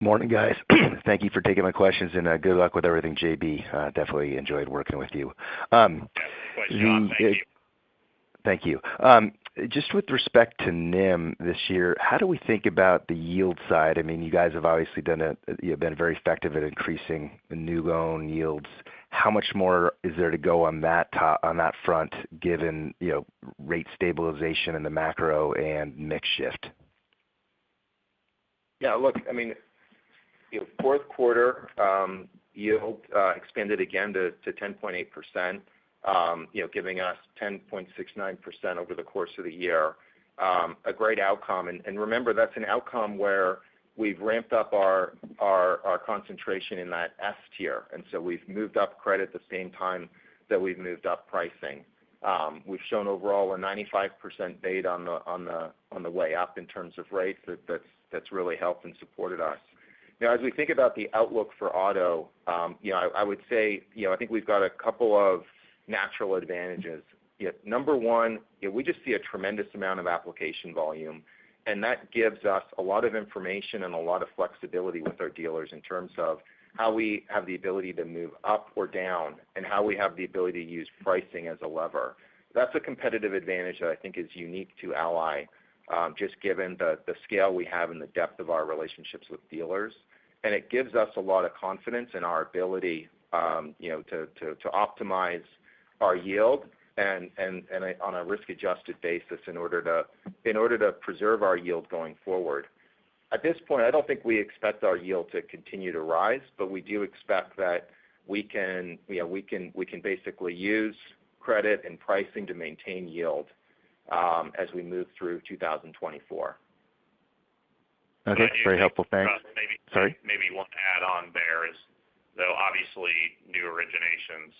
Morning, guys. Thank you for taking my questions, and good luck with everything, JB. I definitely enjoyed working with you. Yeah, thank you. Thank you. Just with respect to NIM this year, how do we think about the yield side? I mean, you guys have obviously you've been very effective at increasing new loan yields. How much more is there to go on that front, given, you know, rate stabilization in the macro and mix shift? Yeah, look, I mean, you know, fourth quarter, yield expanded again to ten point eight percent, you know, giving us ten point six nine percent over the course of the year. A great outcome. And remember, that's an outcome where we've ramped up our concentration in that S tier, and so we've moved up credit the same time that we've moved up pricing. We've shown overall a ninety-five percent beta on the way up in terms of rates. That's really helped and supported us. Now, as we think about the outlook for auto, you know, I would say, you know, I think we've got a couple of natural advantages. Yet number one, yeah, we just see a tremendous amount of application volume, and that gives us a lot of information and a lot of flexibility with our dealers in terms of how we have the ability to move up or down and how we have the ability to use pricing as a lever. That's a competitive advantage that I think is unique to Ally, just given the scale we have and the depth of our relationships with dealers. And it gives us a lot of confidence in our ability, you know, to optimize our yield and on a risk-adjusted basis in order to preserve our yield going forward. At this point, I don't think we expect our yield to continue to rise, but we do expect that we can, you know, we can, we can basically use credit and pricing to maintain yield, as we move through 2024. Okay. Very helpful. Thanks. Sorry. Maybe one add on there is, though obviously, new originations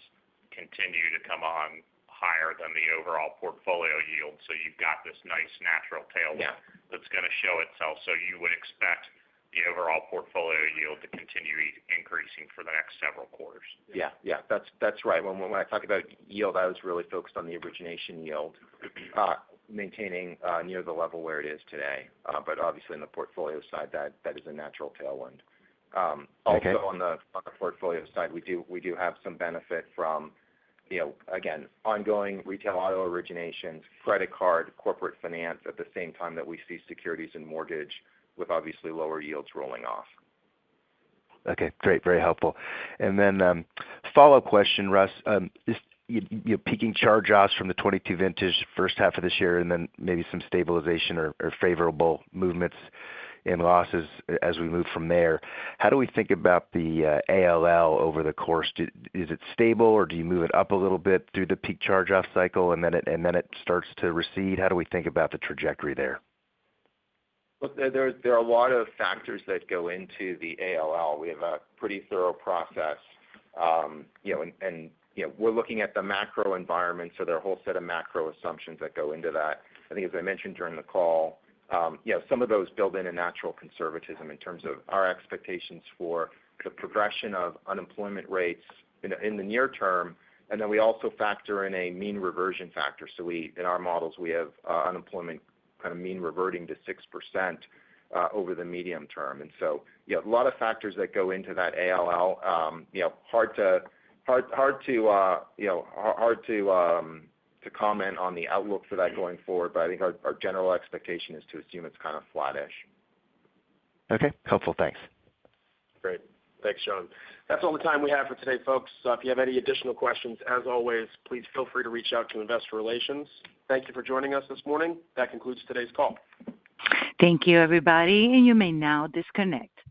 continue to come on higher than the overall portfolio yield, so you've got this nice natural tailwind- Yeah - that's gonna show itself. So you would expect the overall portfolio yield to continue increasing for the next several quarters. Yeah. Yeah, that's, that's right. When, when I talk about yield, I was really focused on the origination yield, maintaining near the level where it is today. But obviously in the portfolio side, that, that is a natural tailwind. Also- Okay on the portfolio side, we do, we do have some benefit from, you know, again, ongoing retail auto originations, credit card, corporate finance, at the same time that we see securities and mortgage with obviously lower yields rolling off. Okay, great. Very helpful. And then, follow-up question, Russ, is, you know, peaking charge-offs from the 2022 vintage first half of this year, and then maybe some stabilization or, or favorable movements in losses as we move from there. How do we think about the ALL over the course? Is it stable, or do you move it up a little bit through the peak charge-off cycle, and then it, and then it starts to recede? How do we think about the trajectory there? Look, there, there are a lot of factors that go into the ALL. We have a pretty thorough process, you know, and you know, we're looking at the macro environment, so there are a whole set of macro assumptions that go into that. I think, as I mentioned during the call, you know, some of those build in a natural conservatism in terms of our expectations for the progression of unemployment rates in the, in the near term, and then we also factor in a mean reversion factor. So we in our models, we have, unemployment kind of mean reverting to 6%, over the medium term. And so, you know, a lot of factors that go into that ALL. You know, hard to comment on the outlook for that going forward, but I think our general expectation is to assume it's kind of flattish. Okay. Helpful. Thanks. Great. Thanks, John. That's all the time we have for today, folks. So if you have any additional questions, as always, please feel free to reach out to Investor Relations. Thank you for joining us this morning. That concludes today's call. Thank you, everybody, and you may now disconnect.